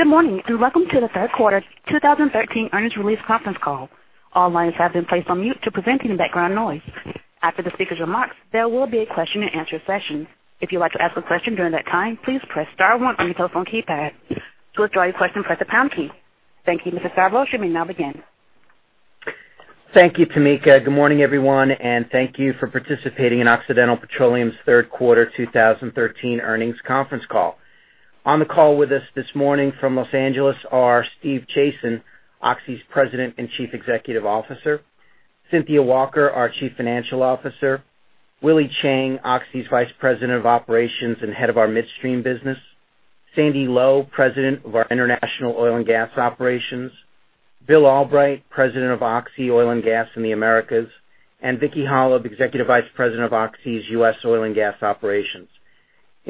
Good morning, and welcome to the third quarter 2013 earnings release conference call. All lines have been placed on mute to prevent any background noise. After the speakers' remarks, there will be a question and answer session. If you'd like to ask a question during that time, please press star one on your telephone keypad. To withdraw your question, press the pound key. Thank you, Mr. Stavros. You may now begin. Thank you, Tamika. Good morning, everyone, thank you for participating in Occidental Petroleum's third quarter 2013 earnings conference call. On the call with us this morning from Los Angeles are Steve Chazen, Oxy's President and Chief Executive Officer, Cynthia Walker, our Chief Financial Officer, Willie Chiang, Oxy's Vice President of Operations and head of our midstream business, Sandy Lowe, President of our International Oil and Gas Operations, Bill Albrecht, President of Oxy Oil and Gas in the Americas, and Vicki Hollub, Executive Vice President of Oxy's U.S. Oil and Gas Operations.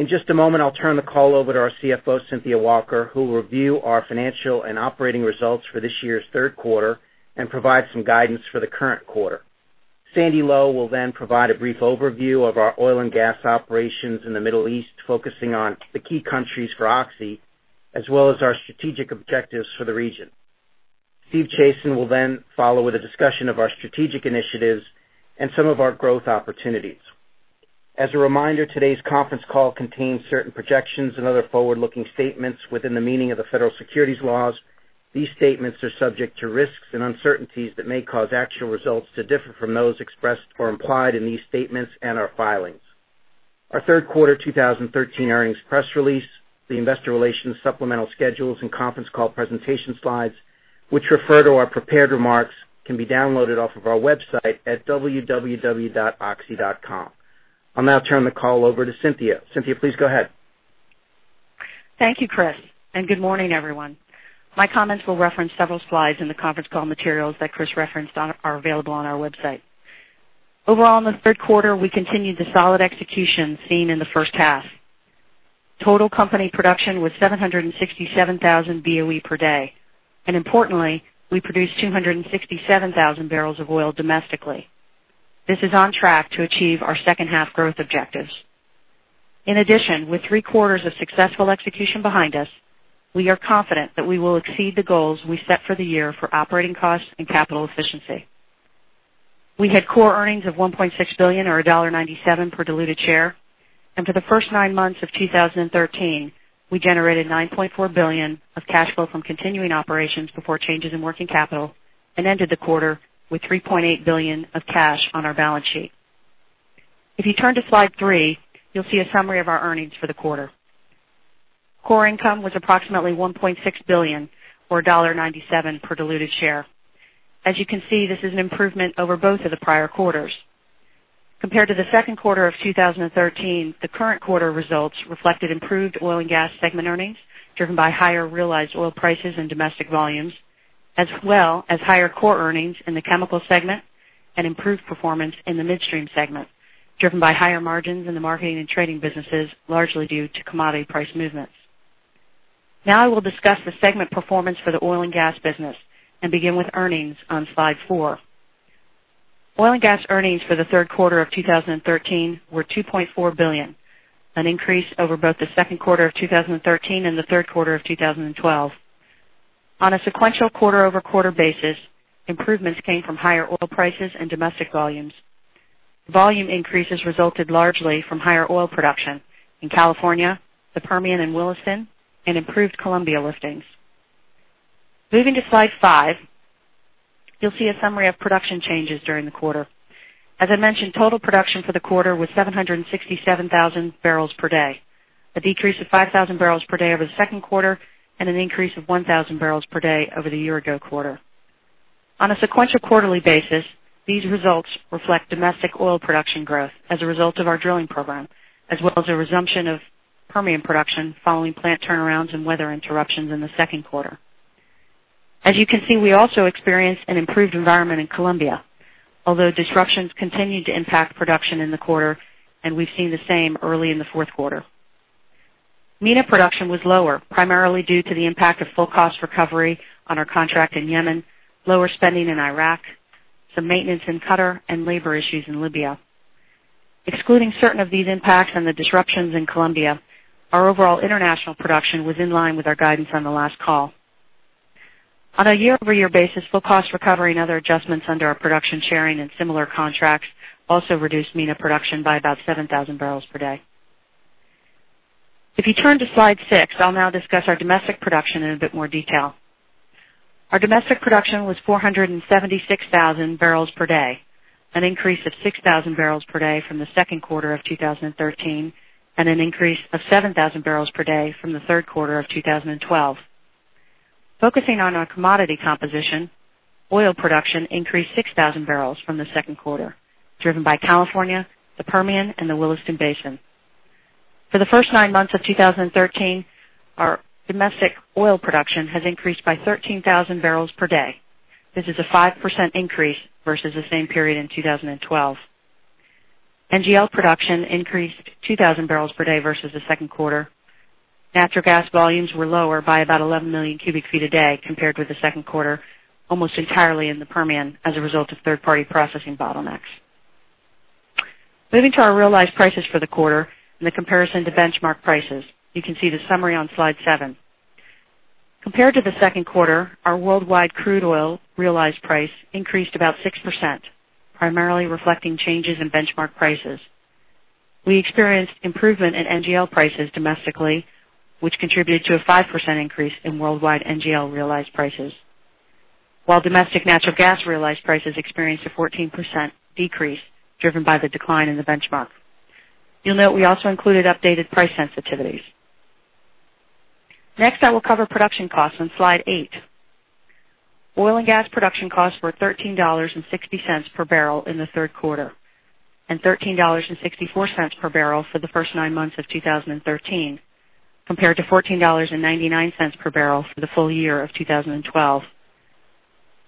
In just a moment, I'll turn the call over to our CFO, Cynthia Walker, who will review our financial and operating results for this year's third quarter and provide some guidance for the current quarter. Sandy Lowe will provide a brief overview of our oil and gas operations in the Middle East, focusing on the key countries for Oxy, as well as our strategic objectives for the region. Steve Chazen will follow with a discussion of our strategic initiatives and some of our growth opportunities. As a reminder, today's conference call contains certain projections and other forward-looking statements within the meaning of the federal securities laws. These statements are subject to risks and uncertainties that may cause actual results to differ from those expressed or implied in these statements and our filings. Our third quarter 2013 earnings press release, the investor relations supplemental schedules, and conference call presentation slides, which refer to our prepared remarks, can be downloaded off of our website at www.oxy.com. I'll now turn the call over to Cynthia. Cynthia, please go ahead. Thank you, Chris, good morning, everyone. My comments will reference several slides in the conference call materials that Chris referenced are available on our website. Overall, in the third quarter, we continued the solid execution seen in the first half. Total company production was 767,000 BOE per day, importantly, we produced 267,000 barrels of oil domestically. This is on track to achieve our second half growth objectives. In addition, with three quarters of successful execution behind us, we are confident that we will exceed the goals we set for the year for operating costs and capital efficiency. We had core earnings of $1.6 billion or $1.97 per diluted share. For the first nine months of 2013, we generated $9.4 billion of cash flow from continuing operations before changes in working capital and ended the quarter with $3.8 billion of cash on our balance sheet. If you turn to slide three, you'll see a summary of our earnings for the quarter. Core income was approximately $1.6 billion or $1.97 per diluted share. As you can see, this is an improvement over both of the prior quarters. Compared to the second quarter of 2013, the current quarter results reflected improved oil and gas segment earnings, driven by higher realized oil prices and domestic volumes, as well as higher core earnings in the chemical segment and improved performance in the midstream segment, driven by higher margins in the marketing and trading businesses, largely due to commodity price movements. I will discuss the segment performance for the oil and gas business and begin with earnings on slide four. Oil and gas earnings for the third quarter of 2013 were $2.4 billion, an increase over both the second quarter of 2013 and the third quarter of 2012. On a sequential quarter-over-quarter basis, improvements came from higher oil prices and domestic volumes. Volume increases resulted largely from higher oil production in California, the Permian and Williston, and improved Colombia liftings. Moving to slide five, you'll see a summary of production changes during the quarter. As I mentioned, total production for the quarter was 767,000 barrels per day, a decrease of 5,000 barrels per day over the second quarter, and an increase of 1,000 barrels per day over the year ago quarter. On a sequential quarterly basis, these results reflect domestic oil production growth as a result of our drilling program, as well as a resumption of Permian production following plant turnarounds and weather interruptions in the second quarter. As you can see, we also experienced an improved environment in Colombia, although disruptions continued to impact production in the quarter, and we've seen the same early in the fourth quarter. MENA production was lower, primarily due to the impact of full cost recovery on our contract in Yemen, lower spending in Iraq, some maintenance in Qatar, and labor issues in Libya. Excluding certain of these impacts and the disruptions in Colombia, our overall international production was in line with our guidance on the last call. On a year-over-year basis, full cost recovery and other adjustments under our production sharing and similar contracts also reduced MENA production by about 7,000 barrels per day. If you turn to slide six, I'll now discuss our domestic production in a bit more detail. Our domestic production was 476,000 barrels per day, an increase of 6,000 barrels per day from the second quarter of 2013, and an increase of 7,000 barrels per day from the third quarter of 2012. Focusing on our commodity composition, oil production increased 6,000 barrels from the second quarter, driven by California, the Permian, and the Williston Basin. For the first nine months of 2013, our domestic oil production has increased by 13,000 barrels per day. This is a 5% increase versus the same period in 2012. NGL production increased 2,000 barrels per day versus the second quarter. Natural gas volumes were lower by about 11 million cubic feet a day compared with the second quarter, almost entirely in the Permian as a result of third-party processing bottlenecks. Moving to our realized prices for the quarter and the comparison to benchmark prices. You can see the summary on slide seven. Compared to the second quarter, our worldwide crude oil realized price increased about 6%, primarily reflecting changes in benchmark prices. We experienced improvement in NGL prices domestically, which contributed to a 5% increase in worldwide NGL realized prices. While domestic natural gas realized prices experienced a 14% decrease, driven by the decline in the benchmark. You'll note we also included updated price sensitivities. Next, I will cover production costs on slide eight. Oil and gas production costs were $13.60 per barrel in the third quarter, and $13.64 per barrel for the first nine months of 2013, compared to $14.99 per barrel for the full year of 2012.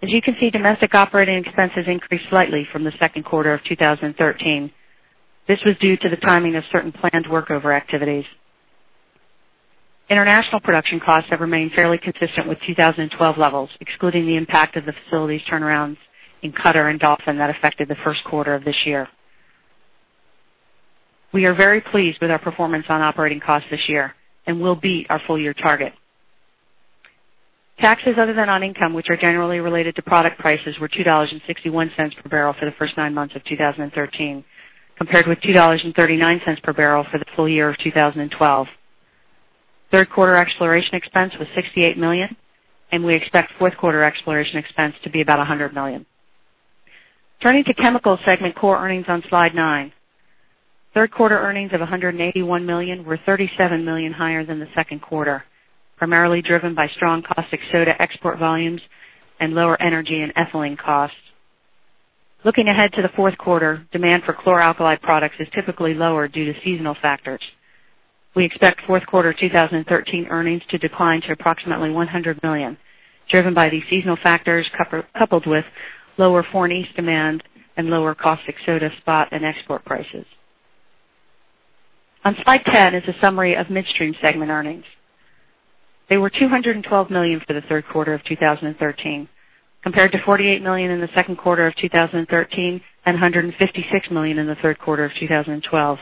As you can see, domestic operating expenses increased slightly from the second quarter of 2013. This was due to the timing of certain planned workover activities. International production costs have remained fairly consistent with 2012 levels, excluding the impact of the facilities turnarounds in Qatar and Dolphin that affected the first quarter of this year. We are very pleased with our performance on operating costs this year and will beat our full-year target. Taxes other than on income, which are generally related to product prices, were $2.61 per barrel for the first nine months of 2013, compared with $2.39 per barrel for the full year of 2012. Third quarter exploration expense was $68 million, and we expect fourth quarter exploration expense to be about $100 million. Turning to chemical segment core earnings on slide nine. Third quarter earnings of $181 million were $37 million higher than the second quarter, primarily driven by strong caustic soda export volumes and lower energy and ethylene costs. Looking ahead to the fourth quarter, demand for chlor-alkali products is typically lower due to seasonal factors. We expect fourth quarter 2013 earnings to decline to approximately $100 million, driven by these seasonal factors, coupled with lower foreign base company sales income and lower caustic soda spot and export prices. On slide 10 is a summary of midstream segment earnings. They were $212 million for the third quarter of 2013, compared to $48 million in the second quarter of 2013 and $156 million in the third quarter of 2012.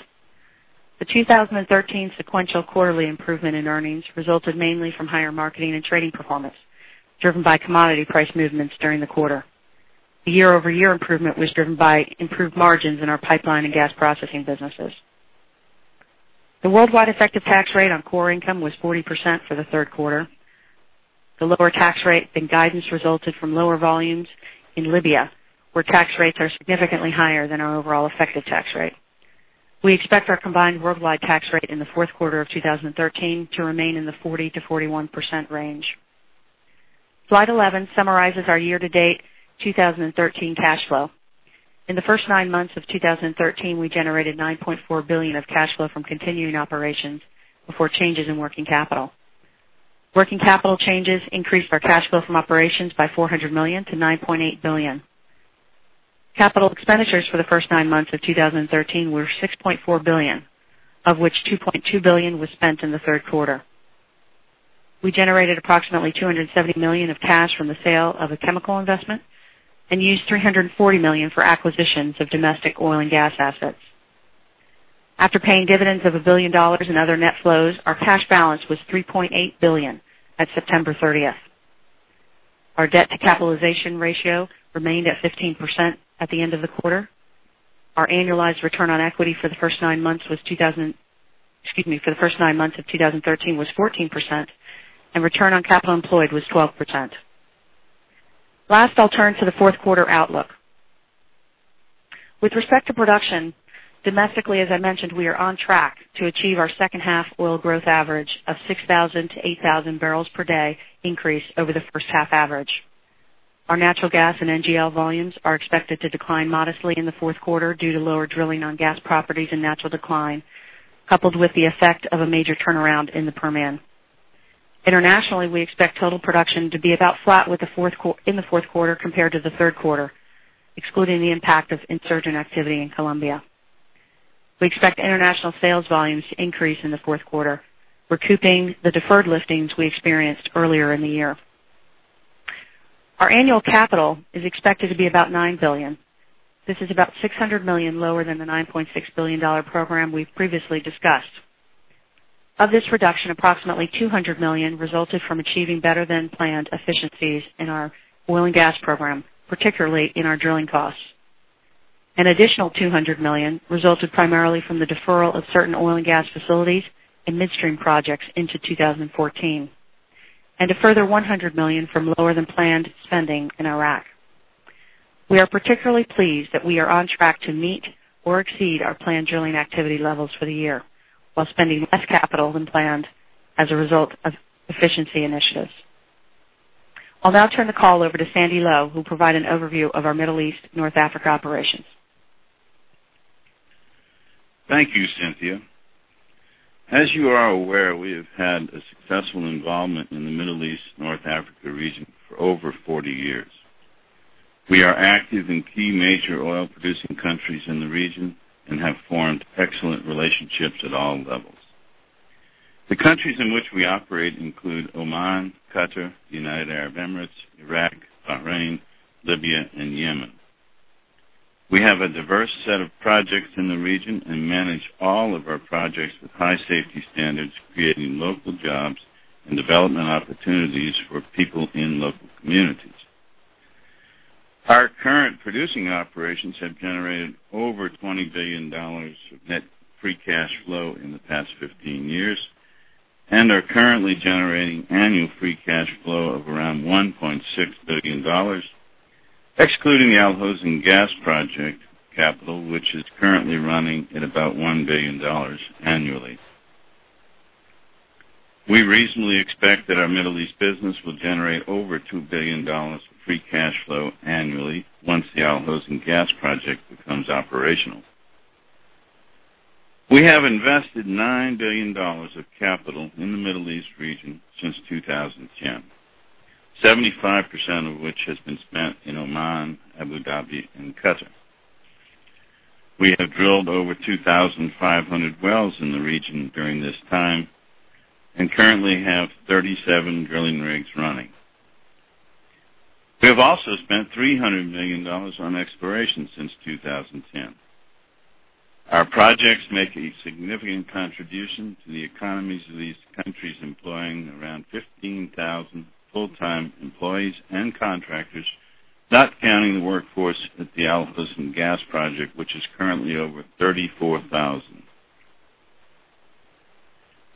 The 2013 sequential quarterly improvement in earnings resulted mainly from higher marketing and trading performance, driven by commodity price movements during the quarter. The year-over-year improvement was driven by improved margins in our pipeline and gas processing businesses. The worldwide effective tax rate on core income was 40% for the third quarter. The lower tax rate than guidance resulted from lower volumes in Libya, where tax rates are significantly higher than our overall effective tax rate. We expect our combined worldwide tax rate in the fourth quarter of 2013 to remain in the 40%-41% range. Slide 11 summarizes our year-to-date 2013 cash flow. In the first nine months of 2013, we generated $9.4 billion of cash flow from continuing operations before changes in working capital. Working capital changes increased our cash flow from operations by $400 million to $9.8 billion. Capital expenditures for the first nine months of 2013 were $6.4 billion, of which $2.2 billion was spent in the third quarter. We generated approximately $270 million of cash from the sale of a chemical investment and used $340 million for acquisitions of domestic oil and gas assets. After paying dividends of $1 billion and other net flows, our cash balance was $3.8 billion at September 30th. Our debt to capitalization ratio remained at 15% at the end of the quarter. Our annualized return on equity for the first nine months of 2013 was 14%, and return on capital employed was 12%. Last, I'll turn to the fourth quarter outlook. With respect to production, domestically, as I mentioned, we are on track to achieve our second half oil growth average of 6,000-8,000 barrels per day increase over the first half average. Our natural gas and NGL volumes are expected to decline modestly in the fourth quarter due to lower drilling on gas properties and natural decline, coupled with the effect of a major turnaround in the Permian. Internationally, we expect total production to be about flat in the fourth quarter compared to the third quarter, excluding the impact of insurgent activity in Colombia. We expect international sales volumes to increase in the fourth quarter, recouping the deferred listings we experienced earlier in the year. Our annual capital is expected to be about $9 billion. This is about $600 million lower than the $9.6 billion program we've previously discussed. Of this reduction, approximately $200 million resulted from achieving better than planned efficiencies in our oil and gas program, particularly in our drilling costs. An additional $200 million resulted primarily from the deferral of certain oil and gas facilities and midstream projects into 2014. A further $100 million from lower than planned spending in Iraq. We are particularly pleased that we are on track to meet or exceed our planned drilling activity levels for the year while spending less capital than planned as a result of efficiency initiatives. I'll now turn the call over to Sandy Lowe, who'll provide an overview of our Middle East North Africa operations. Thank you, Cynthia. As you are aware, we have had a successful involvement in the Middle East North Africa region for over 40 years. We are active in key major oil producing countries in the region and have formed excellent relationships at all levels. The countries in which we operate include Oman, Qatar, United Arab Emirates, Iraq, Bahrain, Libya, and Yemen. We have a diverse set of projects in the region and manage all of our projects with high safety standards, creating local jobs and development opportunities for people in local communities. Our current producing operations have generated over $20 billion of net free cash flow in the past 15 years, and are currently generating annual free cash flow of around $1.6 billion, excluding the Al Hosn Gas project capital, which is currently running at about $1 billion annually. We reasonably expect that our Middle East business will generate over $2 billion of free cash flow annually once the Al Hosn Gas project becomes operational. We have invested $9 billion of capital in the Middle East region since 2010. 75% of which has been spent in Oman, Abu Dhabi, and Qatar. We have drilled over 2,500 wells in the region during this time and currently have 37 drilling rigs running. We have also spent $300 million on exploration since 2010. Our projects make a significant contribution to the economies of these countries, employing around 15,000 full-time employees and contractors, not counting the workforce at the Al Hosn Gas project, which is currently over 34,000.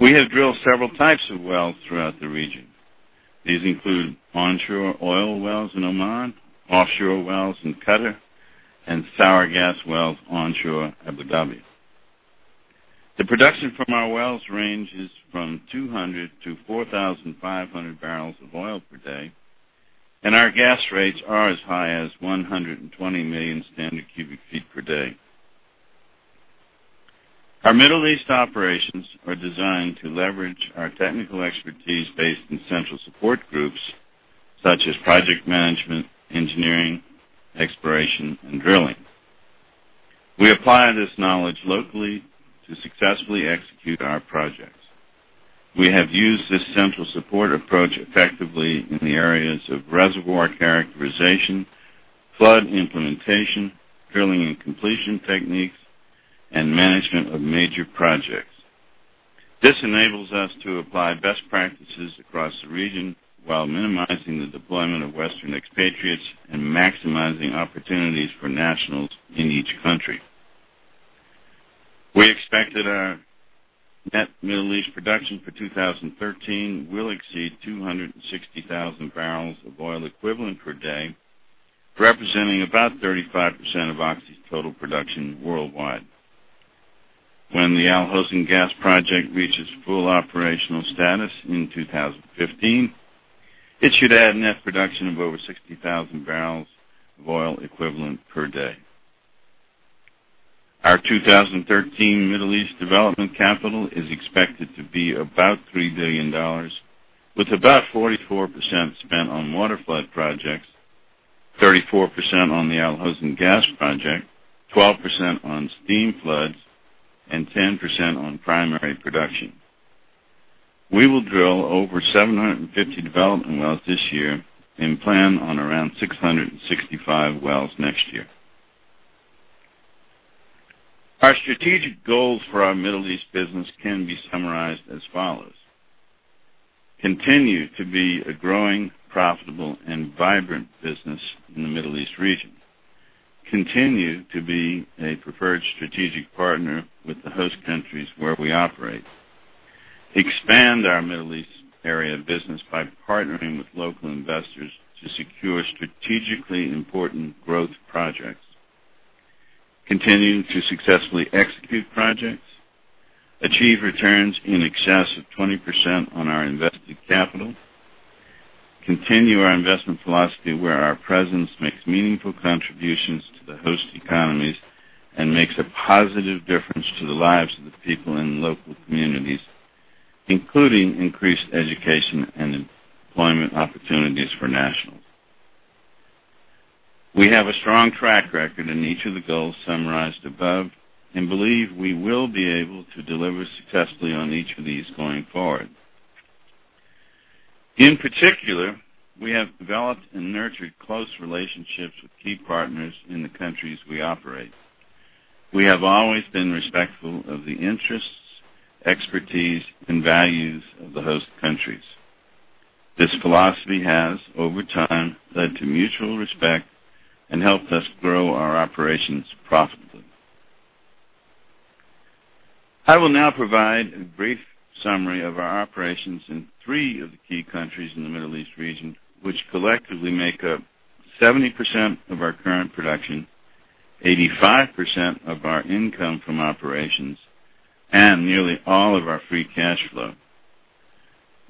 We have drilled several types of wells throughout the region. These include onshore oil wells in Oman, offshore wells in Qatar, and sour gas wells onshore Abu Dhabi. The production from our wells ranges from 200 to 4,500 barrels of oil per day, and our gas rates are as high as 120 million standard cubic feet per day. Our Middle East operations are designed to leverage our technical expertise based in central support groups such as project management, engineering, exploration, and drilling. We apply this knowledge locally to successfully execute our projects. We have used this central support approach effectively in the areas of reservoir characterization, flood implementation, drilling and completion techniques, and management of major projects. This enables us to apply best practices across the region while minimizing the deployment of Western expatriates and maximizing opportunities for nationals in each country. We expect that our net Middle East production for 2013 will exceed 260,000 barrels of oil equivalent per day, representing about 35% of Oxy's total production worldwide. When the Al Hosn Gas project reaches full operational status in 2015, it should add net production of over 60,000 barrels of oil equivalent per day. Our 2013 Middle East development capital is expected to be about $3 billion, with about 44% spent on water flood projects, 34% on the Al Hosn Gas project, 12% on steam floods, and 10% on primary production. We will drill over 750 development wells this year and plan on around 665 wells next year. Our strategic goals for our Middle East business can be summarized as follows: continue to be a growing, profitable, and vibrant business in the Middle East region. Continue to be a preferred strategic partner with the host countries where we operate. Expand our Middle East area of business by partnering with local investors to secure strategically important growth projects. Continue to successfully execute projects. Achieve returns in excess of 20% on our invested capital. Continue our investment philosophy where our presence makes meaningful contributions to the host economies and makes a positive difference to the lives of the people in local communities, including increased education and employment opportunities for nationals. We have a strong track record in each of the goals summarized above and believe we will be able to deliver successfully on each of these going forward. In particular, we have developed and nurtured close relationships with key partners in the countries we operate. We have always been respectful of the interests, expertise, and values of the host countries. This philosophy has, over time, led to mutual respect and helped us grow our operations profitably. I will now provide a brief summary of our operations in three of the key countries in the Middle East region, which collectively make up 70% of our current production, 85% of our income from operations, and nearly all of our free cash flow.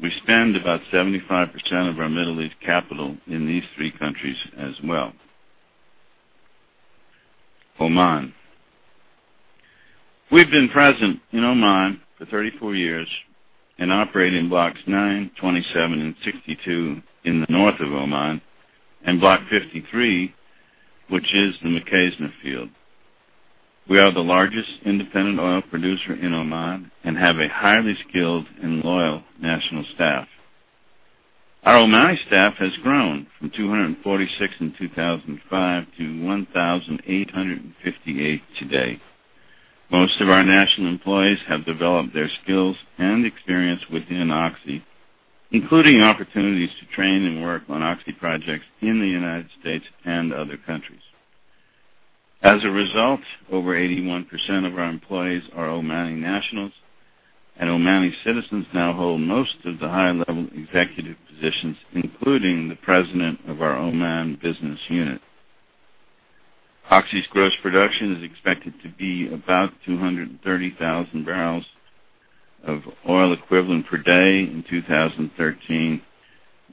We spend about 75% of our Middle East capital in these three countries as well. Oman. We've been present in Oman for 34 years and operate in Blocks 9, 27, and 62 in the north of Oman, and Block 53, which is the Mukhaizna field. We are the largest independent oil producer in Oman and have a highly skilled and loyal national staff. Our Omani staff has grown from 246 in 2005 to 1,858 today. Most of our national employees have developed their skills and experience within Oxy, including opportunities to train and work on Oxy projects in the U.S. and other countries. As a result, over 81% of our employees are Omani nationals, and Omani citizens now hold most of the high-level executive positions, including the president of our Oman business unit. Oxy's gross production is expected to be about 230,000 barrels of oil equivalent per day in 2013,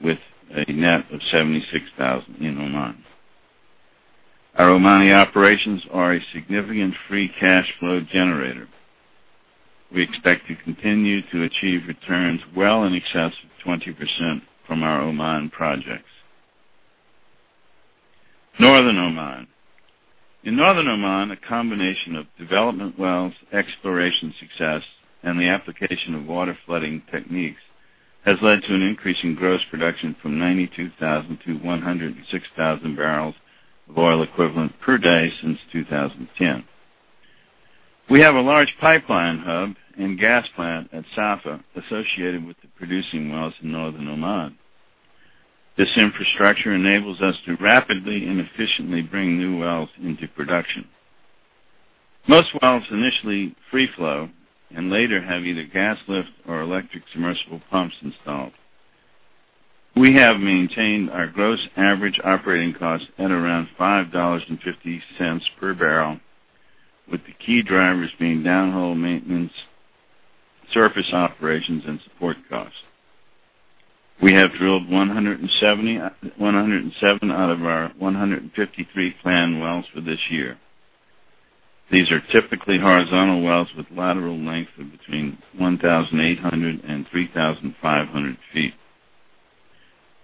with a net of 76,000 in Oman. Our Omani operations are a significant free cash flow generator. We expect to continue to achieve returns well in excess of 20% from our Oman projects. Northern Oman. In Northern Oman, a combination of development wells, exploration success, and the application of water-flooding techniques has led to an increase in gross production from 92,000 to 106,000 barrels of oil equivalent per day since 2010. We have a large pipeline hub and gas plant at Safah associated with the producing wells in Northern Oman. This infrastructure enables us to rapidly and efficiently bring new wells into production. Most wells initially free flow and later have either gas lift or electric submersible pumps installed. We have maintained our gross average operating cost at around $5.50 per barrel, with the key drivers being downhole maintenance, surface operations, and support costs. We have drilled 107 out of our 153 planned wells for this year. These are typically horizontal wells with lateral lengths of between 1,800 and 3,500 feet.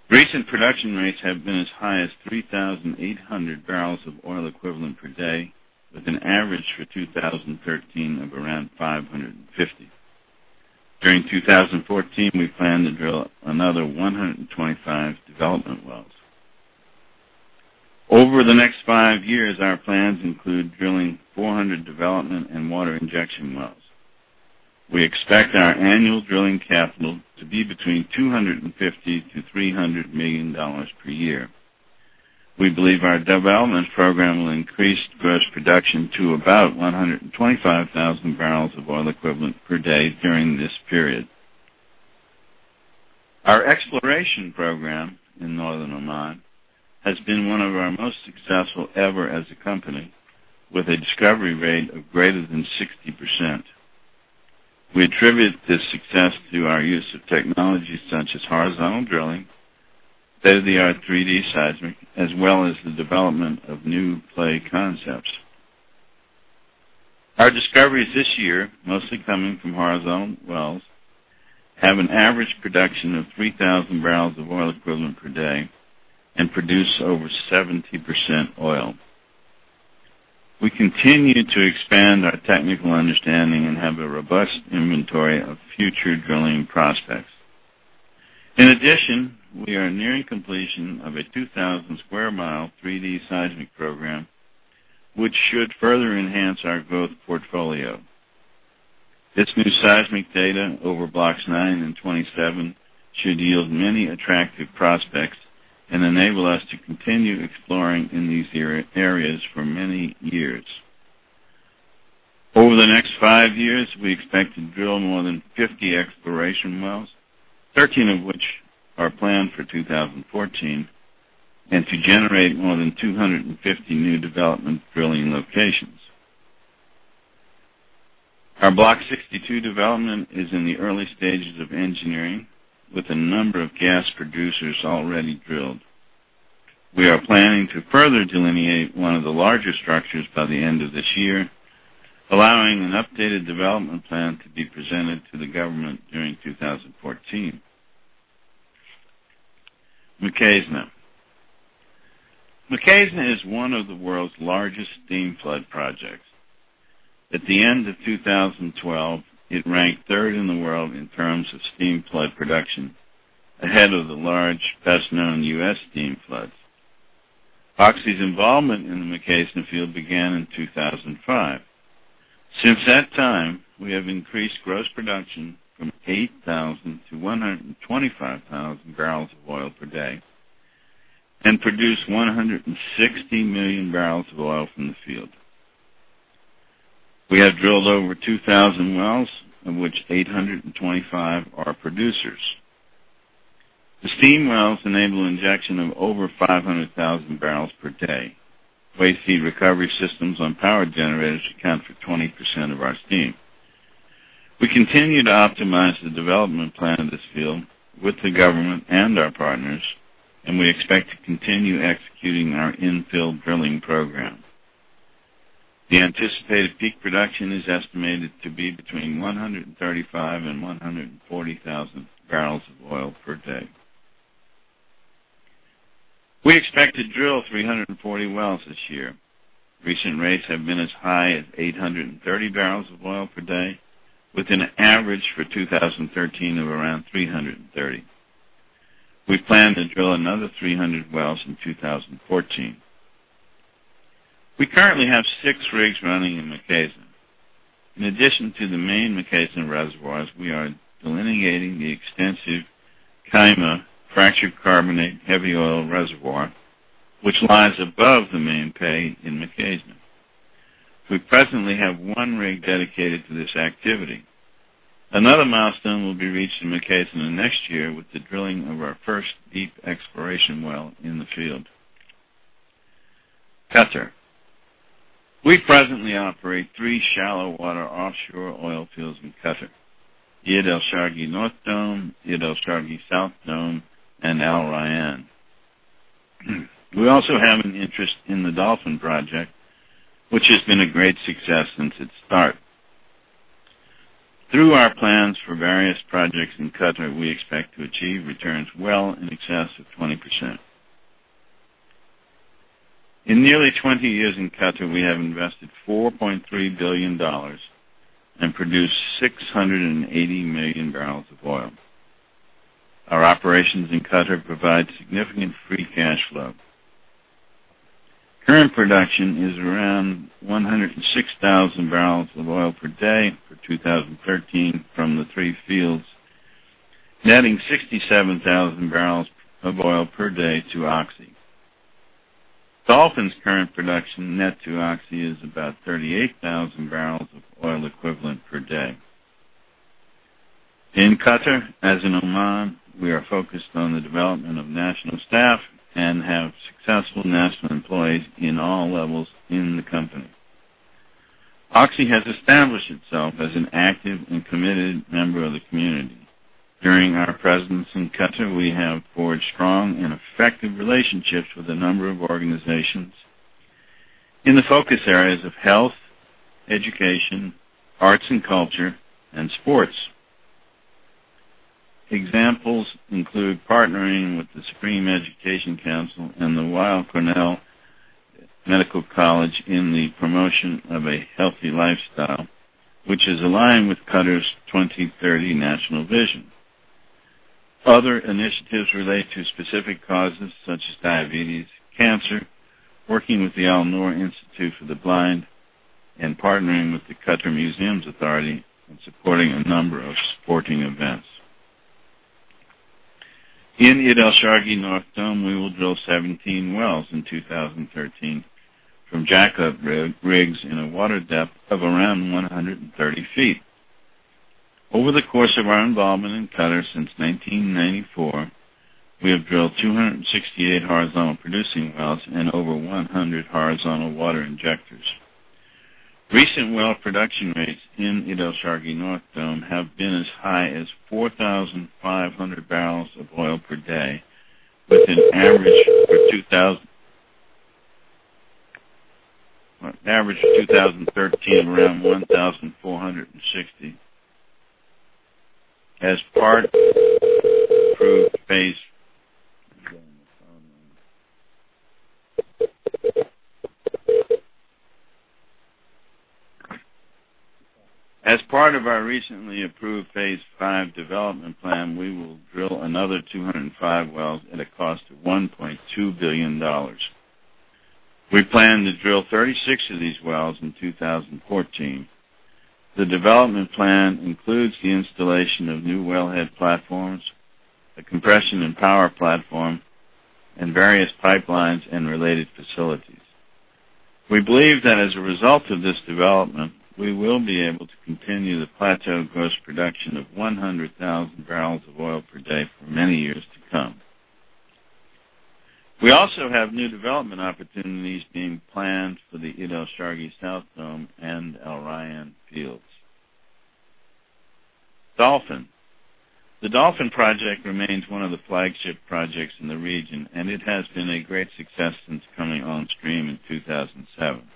Recent production rates have been as high as 3,800 barrels of oil equivalent per day, with an average for 2013 of around 550. During 2014, we plan to drill another 125 development wells. Over the next five years, our plans include drilling 400 development and water injection wells. We expect our annual drilling capital to be between $250 million-$300 million per year. We believe our development program will increase gross production to about 125,000 barrels of oil equivalent per day during this period. Our exploration program in Northern Oman has been one of our most successful ever as a company, with a discovery rate of greater than 60%. We attribute this success to our use of technologies such as horizontal drilling, state-of-the-art 3D seismic, as well as the development of new play concepts. Our discoveries this year, mostly coming from horizontal wells, have an average production of 3,000 barrels of oil equivalent per day and produce over 70% oil. We continue to expand our technical understanding and have a robust inventory of future drilling prospects. In addition, we are nearing completion of a 2,000 sq mi 3D seismic program, which should further enhance our growth portfolio. This new seismic data over Blocks 9 and 27 should yield many attractive prospects and enable us to continue exploring in these areas for many years. Over the next five years, we expect to drill more than 50 exploration wells, 13 of which are planned for 2014, and to generate more than 250 new development drilling locations. Our Block 62 development is in the early stages of engineering, with a number of gas producers already drilled. We are planning to further delineate one of the larger structures by the end of this year, allowing an updated development plan to be presented to the government during 2014. Mukhaizna. Mukhaizna is one of the world's largest steam flood projects. At the end of 2012, it ranked third in the world in terms of steam flood production, ahead of the large, best-known U.S. steam floods. Oxy's involvement in the Mukhaizna field began in 2005. Since that time, we have increased gross production from 8,000 to 125,000 barrels of oil per day and produced 160 million barrels of oil from the field. We have drilled over 2,000 wells, of which 825 are producers. The steam wells enable injection of over 500,000 barrels per day. Waste heat recovery systems on power generators account for 20% of our steam. We continue to optimize the development plan of this field with the government and our partners, and we expect to continue executing our infill drilling program. The anticipated peak production is estimated to be between 135,000 and 140,000 barrels of oil per day. We expect to drill 340 wells this year. Recent rates have been as high as 830 barrels of oil per day, with an average for 2013 of around 330. We plan to drill another 300 wells in 2014. We currently have six rigs running in Mukhaizna. In addition to the main Mukhaizna reservoirs, we are delineating the extensive Kahmah fractured carbonate heavy oil reservoir, which lies above the main pay in Mukhaizna. We presently have one rig dedicated to this activity. Another milestone will be reached in Mukhaizna next year with the drilling of our first deep exploration well in the field. Qatar. We presently operate three shallow water offshore oil fields in Qatar: the Idd El Shargi North Dome, the Idd El Shargi South Dome, and Al Rayyan. We also have an interest in the Dolphin project, which has been a great success since its start. Through our plans for various projects in Qatar, we expect to achieve returns well in excess of 20%. In nearly 20 years in Qatar, we have invested $4.3 billion and produced 680 million barrels of oil. Our operations in Qatar provide significant free cash flow. Current production is around 106,000 barrels of oil per day for 2013 from the three fields, netting 67,000 barrels of oil per day to Oxy. Dolphin's current production net to Oxy is about 38,000 barrels of oil equivalent per day. In Qatar, as in Oman, we are focused on the development of national staff and have successful national employees in all levels in the company. Oxy has established itself as an active and committed member of the community. During our presence in Qatar, we have forged strong and effective relationships with a number of organizations in the focus areas of health, education, arts and culture, and sports. Examples include partnering with the Supreme Education Council and the Weill Cornell Medical College in the promotion of a healthy lifestyle, which is aligned with Qatar National Vision 2030. Other initiatives relate to specific causes such as diabetes, cancer, working with the Al Noor Institute for the Blind, and partnering with the Qatar Museums Authority in supporting a number of sporting events. In Idd El Shargi North Dome, we will drill 17 wells in 2013 from jackup rigs in a water depth of around 130 feet. Over the course of our involvement in Qatar since 1994, we have drilled 268 horizontal producing wells and over 100 horizontal water injectors. Recent well production rates in Idd El Shargi North Dome have been as high as 4,500 barrels of oil per day with an average for 2013 of around 1,460. As part of our recently approved phase 5 development plan, we will drill another 205 wells at a cost of $1.2 billion. We plan to drill 36 of these wells in 2014. The development plan includes the installation of new wellhead platforms, a compression and power platform, and various pipelines and related facilities. We believe that as a result of this development, we will be able to continue the plateau gross production of 100,000 barrels of oil per day for many years to come. We also have new development opportunities being planned for the Idd El Shargi South Dome and Al Rayyan fields. Dolphin. The Dolphin Project remains one of the flagship projects in the region, and it has been a great success since coming on stream in 2007. The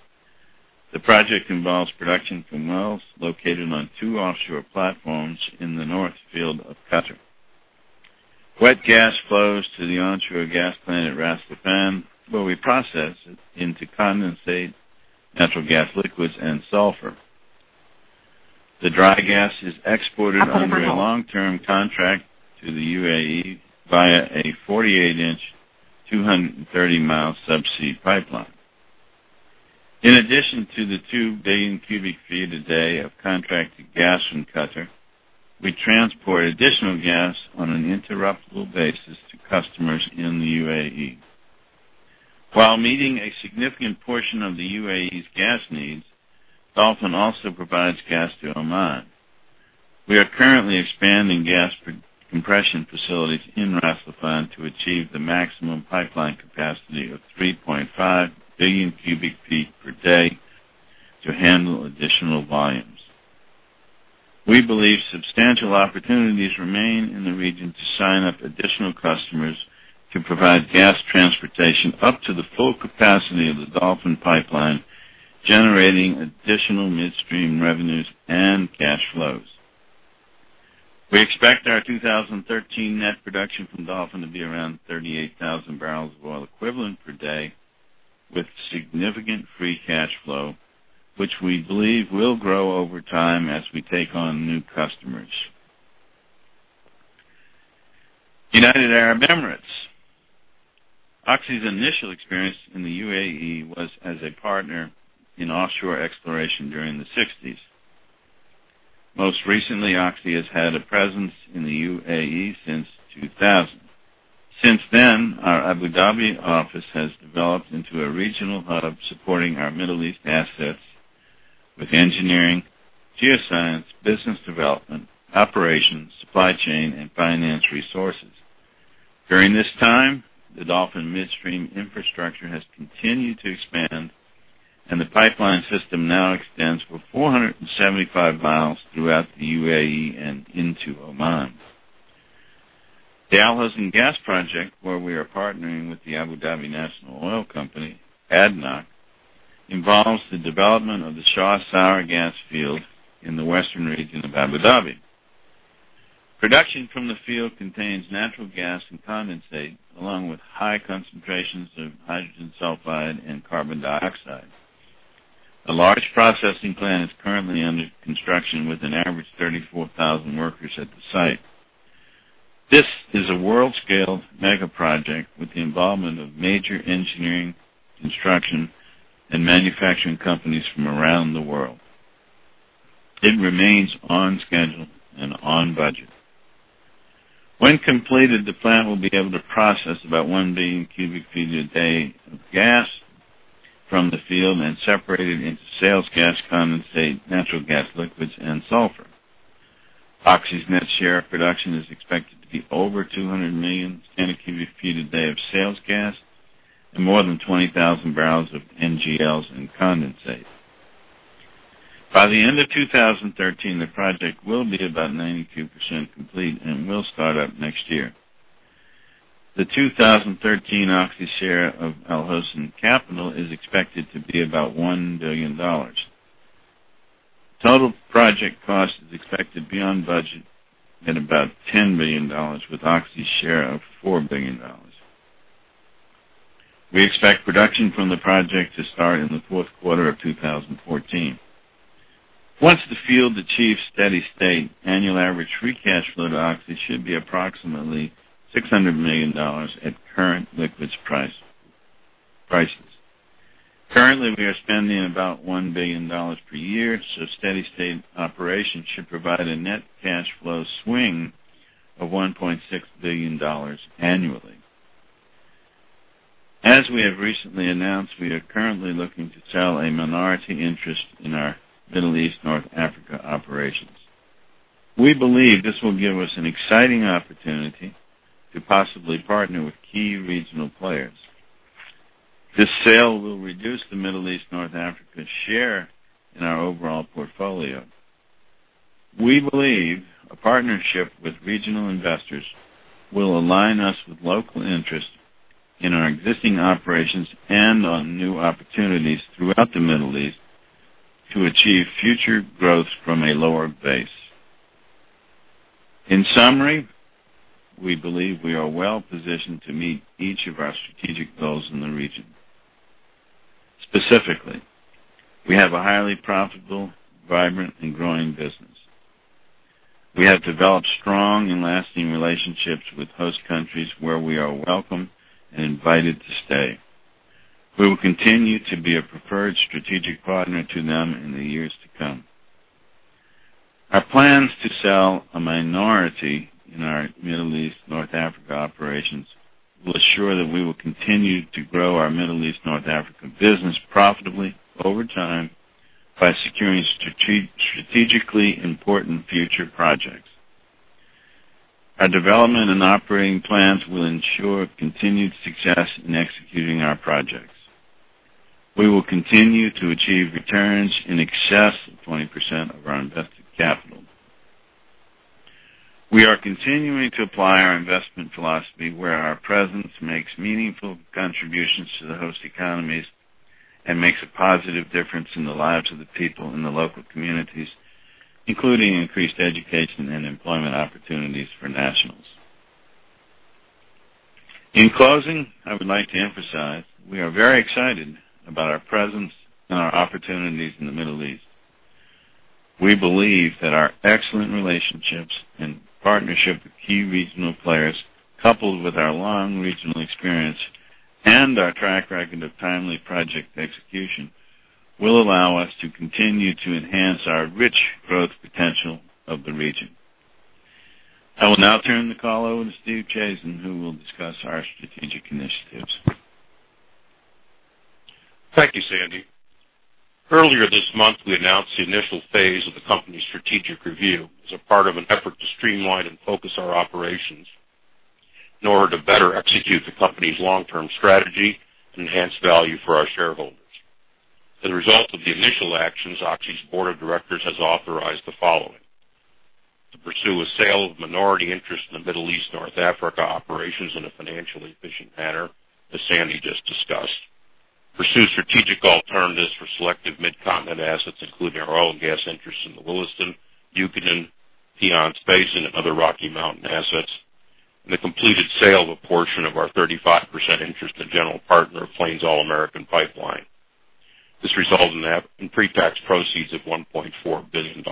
project involves production from wells located on two offshore platforms in the North Field of Qatar. Wet gas flows to the onshore gas plant at Ras Laffan, where we process it into condensate, natural gas liquids, and sulfur. The dry gas is exported under a long-term contract to the U.A.E. via a 48-inch, 230-mile subsea pipeline. In addition to the two billion cubic feet a day of contracted gas from Qatar, we transport additional gas on an interruptible basis to customers in the U.A.E. While meeting a significant portion of the U.A.E.'s gas needs, Dolphin also provides gas to Oman. We are currently expanding gas compression facilities in Ras Laffan to achieve the maximum pipeline capacity of 3.5 billion cubic feet per day to handle additional volumes. We believe substantial opportunities remain in the region to sign up additional customers to provide gas transportation up to the full capacity of the Dolphin pipeline, generating additional midstream revenues and cash flows. We expect our 2013 net production from Dolphin to be around 38,000 barrels of oil equivalent per day with significant free cash flow, which we believe will grow over time as we take on new customers. United Arab Emirates. Oxy's initial experience in the U.A.E. was as a partner in offshore exploration during the '60s. Most recently, Oxy has had a presence in the U.A.E. since 2000. Since then, our Abu Dhabi office has developed into a regional hub supporting our Middle East assets with engineering, geoscience, business development, operations, supply chain, and finance resources. During this time, the Dolphin midstream infrastructure has continued to expand, and the pipeline system now extends for 475 miles throughout the U.A.E. and into Oman. The Al Hosn Gas project, where we are partnering with the Abu Dhabi National Oil Company, ADNOC, involves the development of the Shah sour gas field in the western region of Abu Dhabi. Production from the field contains natural gas and condensate, along with high concentrations of hydrogen sulfide and carbon dioxide. A large processing plant is currently under construction with an average 34,000 workers at the site. This is a world-scale mega project with the involvement of major engineering, construction, and manufacturing companies from around the world. It remains on schedule and on budget. When completed, the plant will be able to process about 1 billion cubic feet a day of gas from the field and separate it into sales gas, condensate, Natural Gas Liquids, and sulfur. Oxy's net share of production is expected to be over 200 million standard cubic feet a day of sales gas and more than 20,000 barrels of NGLs and condensate. By the end of 2013, the project will be about 92% complete and will start up next year. The 2013 Oxy share of Al Hosn capital is expected to be about $1 billion. Total project cost is expected to be on budget at about $10 billion, with Oxy's share of $4 billion. We expect production from the project to start in the fourth quarter of 2014. Once the field achieves steady state, annual average free cash flow to Oxy should be approximately $600 million at current liquids prices. Currently, we are spending about $1 billion per year, so steady state operation should provide a net cash flow swing of $1.6 billion annually. As we have recently announced, we are currently looking to sell a minority interest in our Middle East North Africa operations. We believe this will give us an exciting opportunity to possibly partner with key regional players. This sale will reduce the Middle East North Africa share in our overall portfolio. We believe a partnership with regional investors will align us with local interest in our existing operations and on new opportunities throughout the Middle East to achieve future growth from a lower base. In summary, we believe we are well positioned to meet each of our strategic goals in the region. Specifically, we have a highly profitable, vibrant, and growing business. We have developed strong and lasting relationships with host countries where we are welcome and invited to stay. We will continue to be a preferred strategic partner to them in the years to come. Our plans to sell a minority in our Middle East North Africa operations will assure that we will continue to grow our Middle East North Africa business profitably over time by securing strategically important future projects. Our development and operating plans will ensure continued success in executing our projects. We will continue to achieve returns in excess of 20% of our invested capital. We are continuing to apply our investment philosophy where our presence makes meaningful contributions to the host economies and makes a positive difference in the lives of the people in the local communities, including increased education and employment opportunities for nationals. In closing, I would like to emphasize, we are very excited about our presence and our opportunities in the Middle East. We believe that our excellent relationships and partnership with key regional players, coupled with our long regional experience and our track record of timely project execution, will allow us to continue to enhance our rich growth potential of the region. I will now turn the call over to Stephen Chazen, who will discuss our strategic initiatives. Thank you, Sandy. Earlier this month, we announced the initial phase of the company's strategic review as a part of an effort to streamline and focus our operations in order to better execute the company's long-term strategy and enhance value for our shareholders. As a result of the initial actions, Oxy's board of directors has authorized the following: to pursue a sale of minority interest in the Middle East North Africa operations in a financially efficient manner, as Sandy just discussed. pursue strategic alternatives for selective mid-continent assets, including our oil and gas interests in the Williston, Hugoton, Piceance Basin, and other Rocky Mountain assets, and the completed sale of a portion of our 35% interest in General Partner of Plains All American Pipeline. This resulted in pre-tax proceeds of $1.4 billion.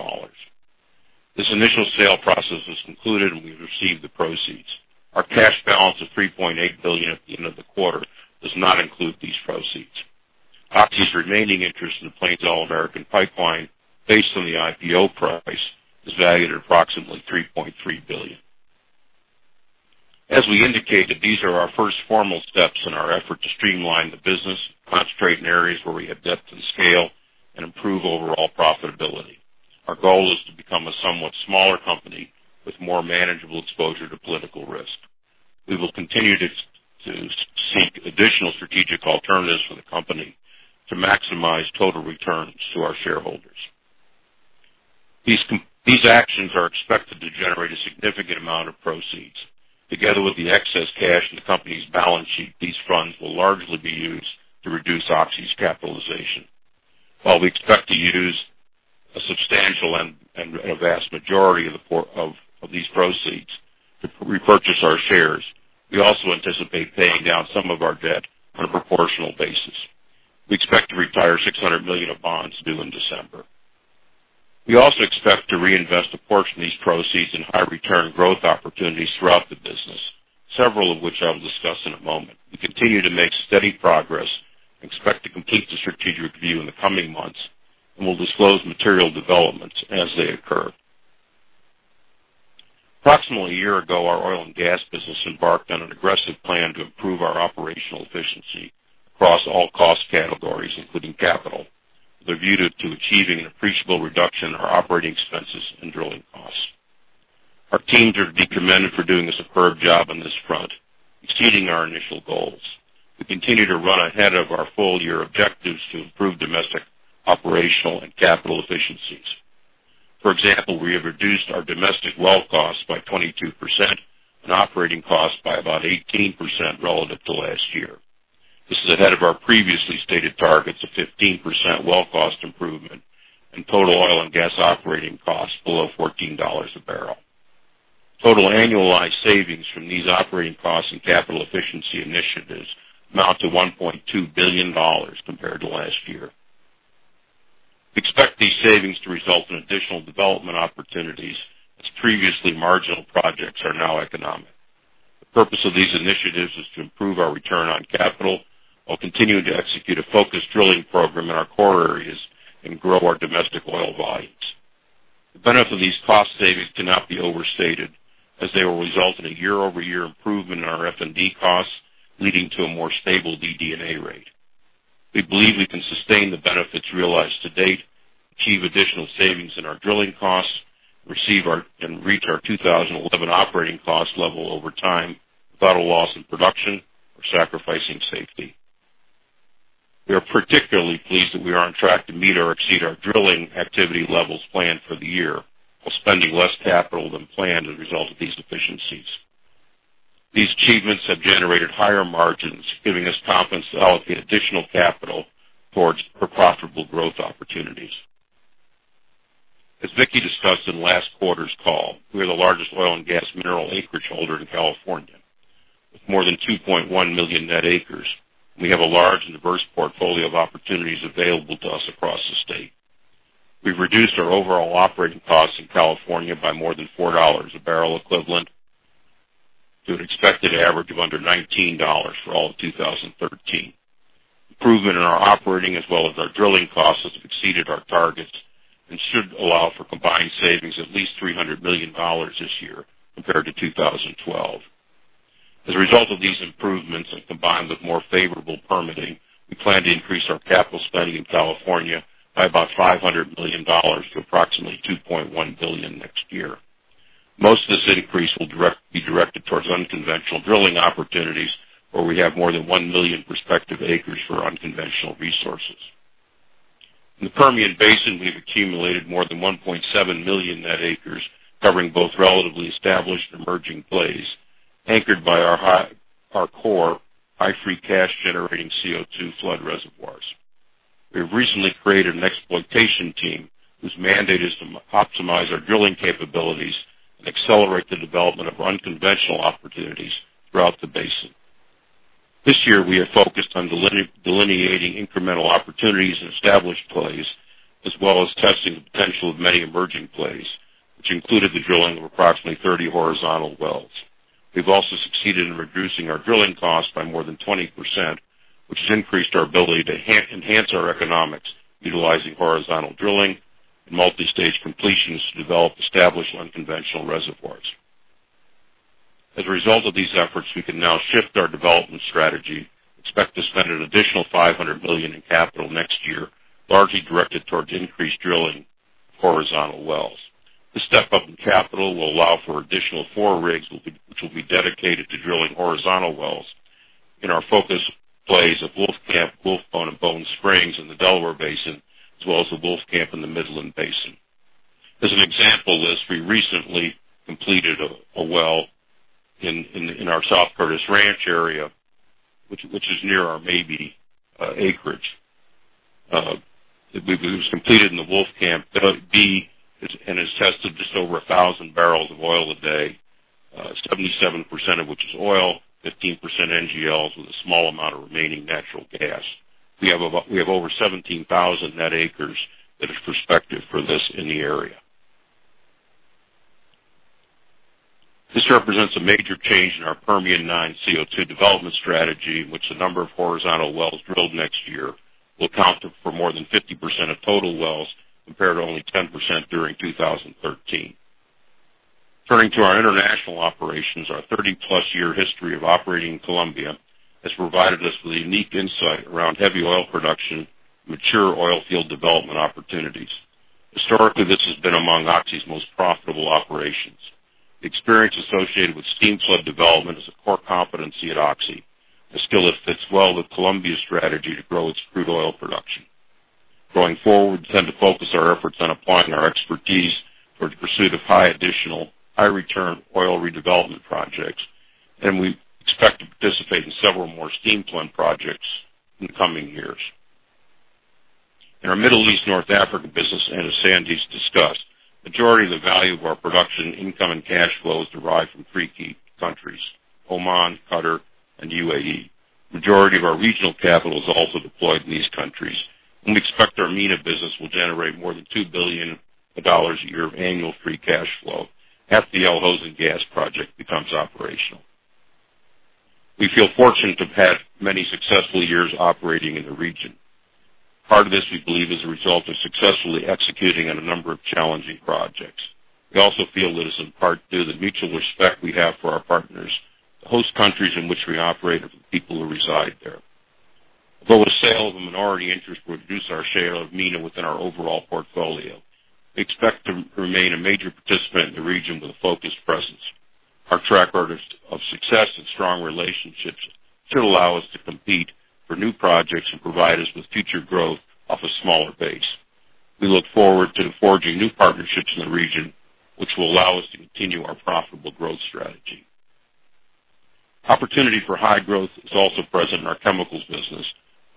This initial sale process was concluded, and we've received the proceeds. Our cash balance of $3.8 billion at the end of the quarter does not include these proceeds. Oxy's remaining interest in the Plains All American Pipeline, based on the IPO price, is valued at approximately $3.3 billion. As we indicated, these are our first formal steps in our effort to streamline the business, concentrate in areas where we have depth and scale, and improve overall profitability. Our goal is to become a somewhat smaller company with more manageable exposure to political risk. We will continue to seek additional strategic alternatives for the company to maximize total returns to our shareholders. These actions are expected to generate a significant amount of proceeds. Together with the excess cash in the company's balance sheet, these funds will largely be used to reduce Oxy's capitalization. While we expect to use a substantial and a vast majority of these proceeds to repurchase our shares, we also anticipate paying down some of our debt on a proportional basis. We expect to retire $600 million of bonds due in December. We also expect to reinvest a portion of these proceeds in high-return growth opportunities throughout the business, several of which I will discuss in a moment. We continue to make steady progress and expect to complete the strategic review in the coming months, and we'll disclose material developments as they occur. Approximately a year ago, our oil and gas business embarked on an aggressive plan to improve our operational efficiency across all cost categories, including capital. They're geared to achieving an appreciable reduction in our operating expenses and drilling costs. Our teams are to be commended for doing a superb job on this front, exceeding our initial goals. We continue to run ahead of our full-year objectives to improve domestic operational and capital efficiencies. For example, we have reduced our domestic well costs by 22% and operating costs by about 18% relative to last year. This is ahead of our previously stated targets of 15% well cost improvement and total oil and gas operating costs below $14 a barrel. Total annualized savings from these operating costs and capital efficiency initiatives amount to $1.2 billion compared to last year. We expect these savings to result in additional development opportunities as previously marginal projects are now economic. The purpose of these initiatives is to improve our return on capital while continuing to execute a focused drilling program in our core areas and grow our domestic oil volumes. The benefit of these cost savings cannot be overstated, as they will result in a year-over-year improvement in our F&D costs, leading to a more stable DD&A rate. We believe we can sustain the benefits realized to date, achieve additional savings in our drilling costs, and reach our 2011 operating cost level over time without a loss in production or sacrificing safety. We are particularly pleased that we are on track to meet or exceed our drilling activity levels planned for the year while spending less capital than planned as a result of these efficiencies. These achievements have generated higher margins, giving us confidence to allocate additional capital towards our profitable growth opportunities. As Vicki discussed in last quarter's call, we are the largest oil and gas mineral acreage holder in California. With more than 2.1 million net acres, we have a large and diverse portfolio of opportunities available to us across the state. We've reduced our overall operating costs in California by more than $4 a barrel equivalent to an expected average of under $19 for all of 2013. Improvement in our operating as well as our drilling costs has exceeded our targets and should allow for combined savings at least $300 million this year compared to 2012. As a result of these improvements and combined with more favorable permitting, we plan to increase our capital spending in California by about $500 million to approximately $2.1 billion next year. Most of this increase will be directed towards unconventional drilling opportunities where we have more than one million prospective acres for unconventional resources. In the Permian Basin, we've accumulated more than 1.7 million net acres covering both relatively established emerging plays, anchored by our core high free cash-generating CO2 flood reservoirs. We have recently created an exploitation team whose mandate is to optimize our drilling capabilities and accelerate the development of unconventional opportunities throughout the basin. This year, we have focused on delineating incremental opportunities in established plays, as well as testing the potential of many emerging plays, which included the drilling of approximately 30 horizontal wells. We've also succeeded in reducing our drilling cost by more than 20%, which has increased our ability to enhance our economics utilizing horizontal drilling and multistage completions to develop established unconventional reservoirs. As a result of these efforts, we can now shift our development strategy and expect to spend an additional $500 million in capital next year, largely directed towards increased drilling horizontal wells. This step up in capital will allow for additional four rigs, which will be dedicated to drilling horizontal wells in our focus plays of Wolfcamp, Bone Spring, and the Delaware Basin, as well as the Wolfcamp and the Midland Basin. As an example of this, we recently completed a well in our South Curtis Ranch area, which is near our Mabie acreage. It was completed in the Wolfcamp D and is tested just over 1,000 barrels of oil a day, 77% of which is oil, 15% NGLs, with a small amount of remaining natural gas. We have over 17,000 net acres that is prospective for this in the area. This represents a major change in our Permian non-CO2 development strategy, in which the number of horizontal wells drilled next year will account for more than 50% of total wells, compared to only 10% during 2013. Turning to our international operations, our 30-plus-year history of operating in Colombia has provided us with a unique insight around heavy oil production, mature oil field development opportunities. Historically, this has been among Oxy's most profitable operations. The experience associated with steam flood development is a core competency at Oxy, a skill set that fits well with Colombia's strategy to grow its crude oil production. Going forward, we plan to focus our efforts on applying our expertise for the pursuit of high additional, high return oil redevelopment projects, and we expect to participate in several more steam flood projects in the coming years. In our Middle East North Africa business, and as Sandy discussed, majority of the value of our production income and cash flow is derived from three key countries, Oman, Qatar, and UAE. Majority of our regional capital is also deployed in these countries, and we expect our MENA business will generate more than $2 billion a year of annual free cash flow after the Al Hosn Gas project becomes operational. We feel fortunate to have had many successful years operating in the region. Part of this, we believe is a result of successfully executing on a number of challenging projects. We also feel that it's in part due to the mutual respect we have for our partners, the host countries in which we operate, and for the people who reside there. Although the sale of a minority interest will reduce our share of MENA within our overall portfolio, we expect to remain a major participant in the region with a focused presence. Our track record of success and strong relationships should allow us to compete for new projects and provide us with future growth off a smaller base. We look forward to forging new partnerships in the region, which will allow us to continue our profitable growth strategy. Opportunity for high growth is also present in our chemicals business,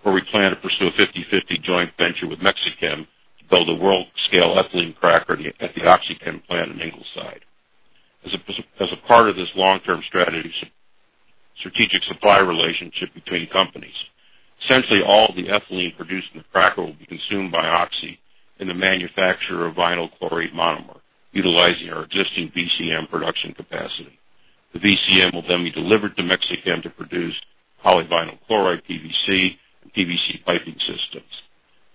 where we plan to pursue a 50/50 joint venture with Mexichem to build a world-scale ethylene cracker at the OxyChem plant in Ingleside. As a part of this long-term strategy, strategic supply relationship between companies, essentially all the ethylene produced in the cracker will be consumed by Oxy in the manufacture of vinyl chloride monomer, utilizing our existing VCM production capacity. The VCM will then be delivered to Mexichem to produce polyvinyl chloride, PVC, and PVC piping systems.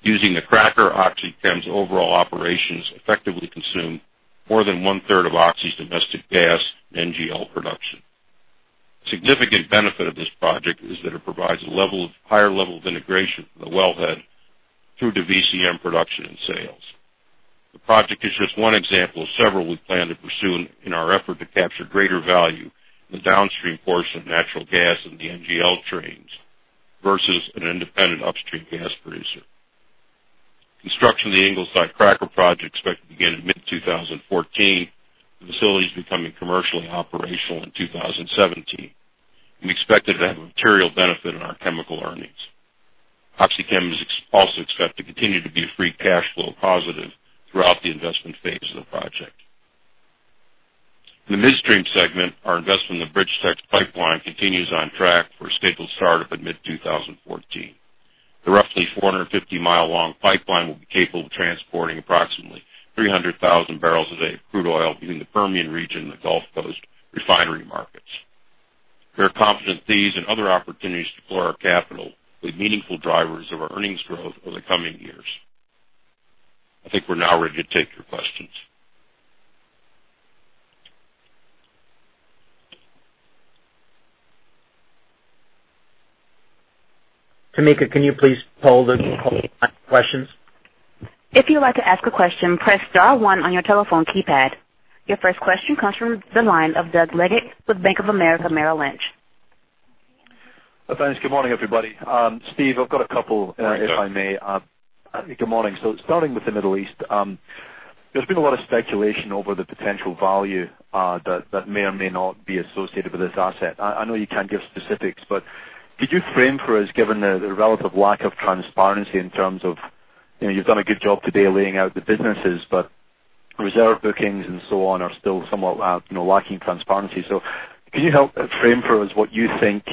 Using the cracker, OxyChem's overall operations effectively consume more than one-third of Oxy's domestic gas and NGL production. A significant benefit of this project is that it provides a higher level of integration from the wellhead through to VCM production and sales. The project is just one example of several we plan to pursue in our effort to capture greater value in the downstream portion of natural gas in the NGL trains versus an independent upstream gas producer. Construction of the Ingleside cracker project is expected to begin in mid-2014, with facilities becoming commercially operational in 2017. We expect it to have a material benefit on our chemical earnings. OxyChem is also expected to continue to be a free cash flow positive throughout the investment phase of the project. In the midstream segment, our investment in the BridgeTex pipeline continues on track for a scheduled startup in mid-2014. The roughly 450-mile-long pipeline will be capable of transporting approximately 300,000 barrels a day of crude oil between the Permian region and the Gulf Coast refinery markets. We are confident these and other opportunities deploy our capital will be meaningful drivers of our earnings growth over the coming years. I think we're now ready to take your questions. Tamika, can you please poll the questions? If you would like to ask a question, press star one on your telephone keypad. Your first question comes from the line of Doug Leggate with Bank of America Merrill Lynch. Thanks. Good morning, everybody. Steve, I've got a couple- Hi, Doug. if I may. Good morning. Starting with the Middle East, there's been a lot of speculation over the potential value that may or may not be associated with this asset. I know you can't give specifics, but could you frame for us, given the relative lack of transparency in terms of, you've done a good job today laying out the businesses, but reserve bookings and so on are still somewhat lacking transparency. Can you help frame for us what you think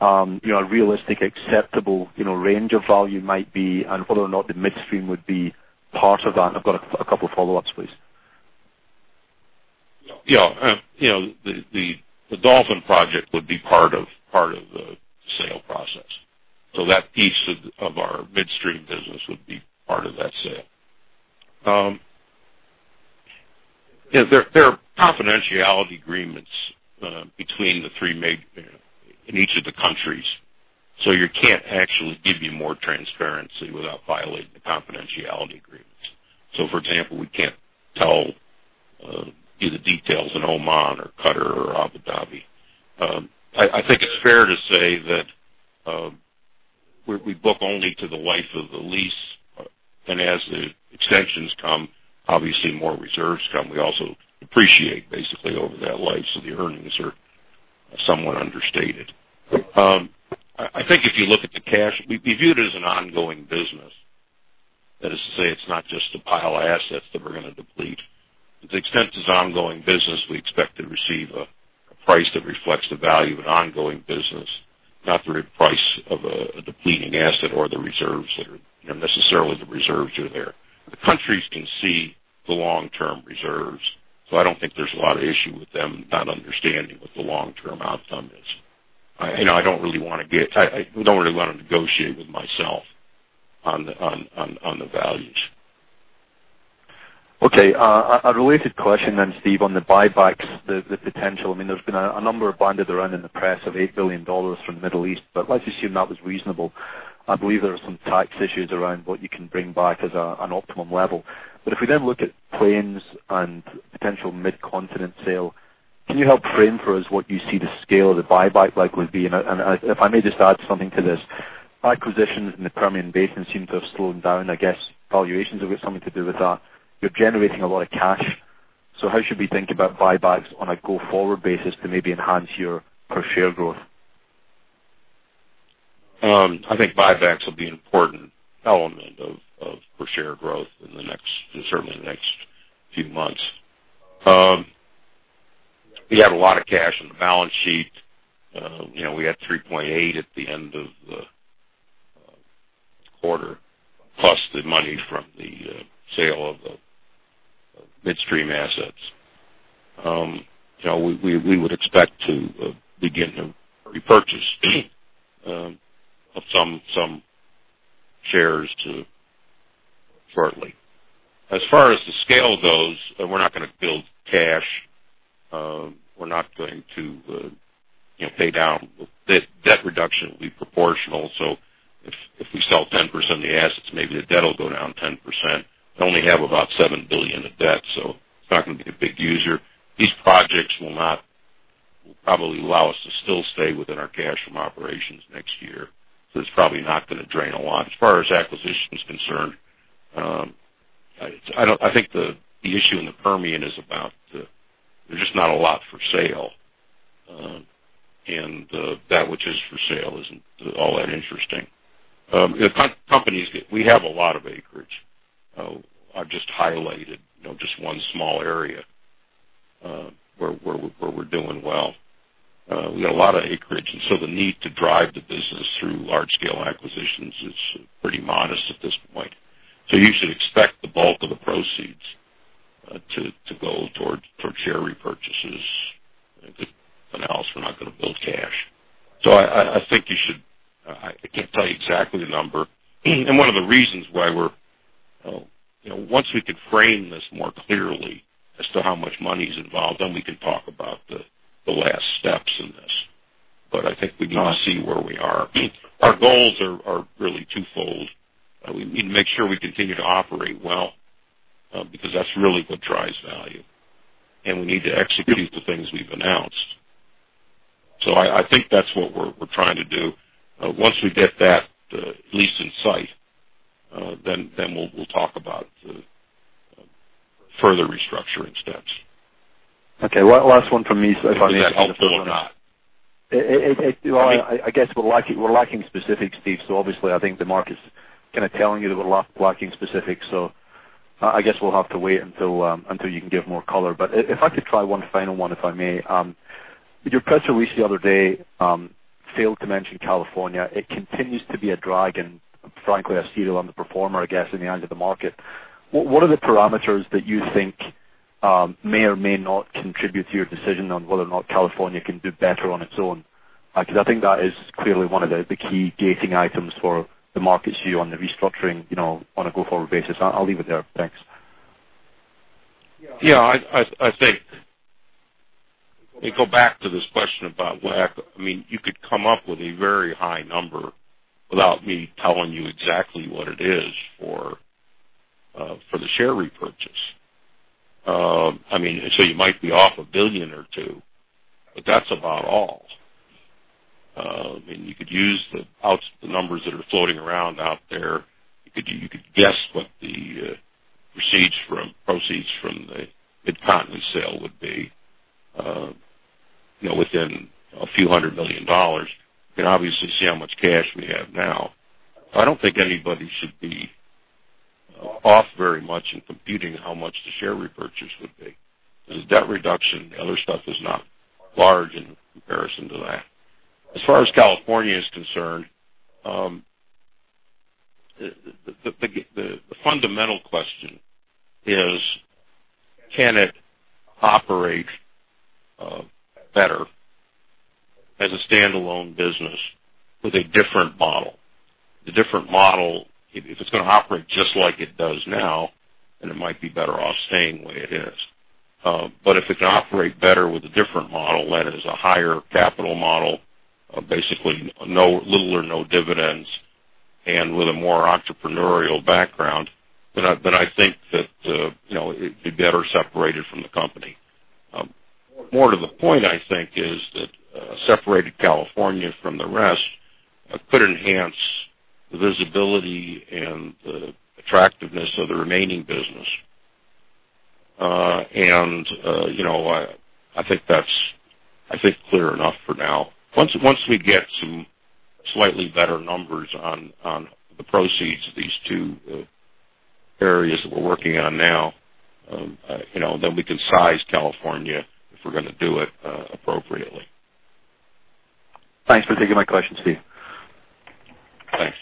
a realistic, acceptable range of value might be, and whether or not the midstream would be part of that? I've got a couple follow-ups, please. Yeah. The Dolphin project would be part of the sale process. That piece of our midstream business would be part of that sale. There are confidentiality agreements between the three major in each of the countries, so you can't actually give you more transparency without violating the confidentiality agreements. For example, we can't tell you the details in Oman or Qatar or Abu Dhabi. I think it's fair to say that we book only to the life of the lease, and as the extensions come, obviously more reserves come. We also depreciate basically over that life, so the earnings are somewhat understated. I think if you look at the cash, we view it as an ongoing business. That is to say, it's not just a pile of assets that we're going to deplete. To the extent it's an ongoing business, we expect to receive a price that reflects the value of an ongoing business, not the price of a depleting asset or the reserves that are necessarily the reserves are there. The countries can see the long-term reserves, I don't think there's a lot of issue with them not understanding what the long-term outcome is. I don't really want to negotiate with myself on the values. Okay. A related question, Stephen, on the buybacks, the potential. There's been a number bandied around in the press of $8 billion from the Middle East, let's assume that was reasonable. I believe there are some tax issues around what you can bring back as an optimum level. If we then look at Plains and potential Midcontinent sale, can you help frame for us what you see the scale of the buyback would be? If I may just add something to this. Acquisitions in the Permian Basin seem to have slowed down. I guess valuations have got something to do with that. You're generating a lot of cash. How should we think about buybacks on a go-forward basis to maybe enhance your per-share growth? I think buybacks will be an important element of per share growth certainly in the next few months. We have a lot of cash on the balance sheet. We had $3.8 billion at the end of the quarter, plus the money from the sale of midstream assets. We would expect to begin a repurchase of some shares shortly. As far as the scale goes, we're not going to build cash. We're not going to pay down. Debt reduction will be proportional. If we sell 10% of the assets, maybe the debt will go down 10%. We only have about $7 billion of debt, it's not going to be a big user. These projects will probably allow us to still stay within our cash from operations next year, it's probably not going to drain a lot. As far as acquisition is concerned, I think the issue in the Permian is there's just not a lot for sale, that which is for sale isn't all that interesting. We have a lot of acreage. I've just highlighted just one small area where we're doing well. We've got a lot of acreage, the need to drive the business through large-scale acquisitions is pretty modest at this point. You should expect the bulk of the proceeds to go towards per share repurchases. Anything else, we're not going to build cash. I can't tell you exactly the number. One of the reasons why once we can frame this more clearly as to how much money is involved, then we can talk about the last steps in this. I think we need to see where we are. Our goals are really twofold. We need to make sure we continue to operate well because that's really what drives value. We need to execute the things we've announced. I think that's what we're trying to do. Once we get that at least in sight, we'll talk about the further restructuring steps. Okay. One last one from me- Is that helpful or not? I guess we're lacking specifics, Steve. Obviously, I think the market's kind of telling you that we're lacking specifics. I guess we'll have to wait until you can give more color. If I could try one final one, if I may. Your press release the other day failed to mention California. It continues to be a drag and frankly, a serial underperformer, I guess, in the eyes of the market. What are the parameters that you think may or may not contribute to your decision on whether or not California can do better on its own? I think that is clearly one of the key gating items for the market's view on the restructuring on a go-forward basis. I'll leave it there. Thanks. Yeah. I think we go back to this question about what. You could come up with a very high number without me telling you exactly what it is for the share repurchase. You might be off a billion or two, but that's about all. You could use the numbers that are floating around out there. You could guess what the proceeds from the Midcontinent sale would be within a few hundred million dollars. You can obviously see how much cash we have now. I don't think anybody should be off very much in computing how much the share repurchase would be. The debt reduction, the other stuff is not large in comparison to that. As far as California is concerned, the fundamental question is, can it operate better as a standalone business with a different model? The different model, if it's going to operate just like it does now, then it might be better off staying the way it is. If it can operate better with a different model, that is a higher capital model, basically little or no dividends, and with a more entrepreneurial background, then I think that it'd be better separated from the company. More to the point, I think, is that separating California from the rest could enhance the visibility and the attractiveness of the remaining business. I think that's clear enough for now. Once we get some slightly better numbers on the proceeds of these two areas that we're working on now, then we can size California if we're going to do it appropriately. Thanks for taking my questions, Steve. Thanks.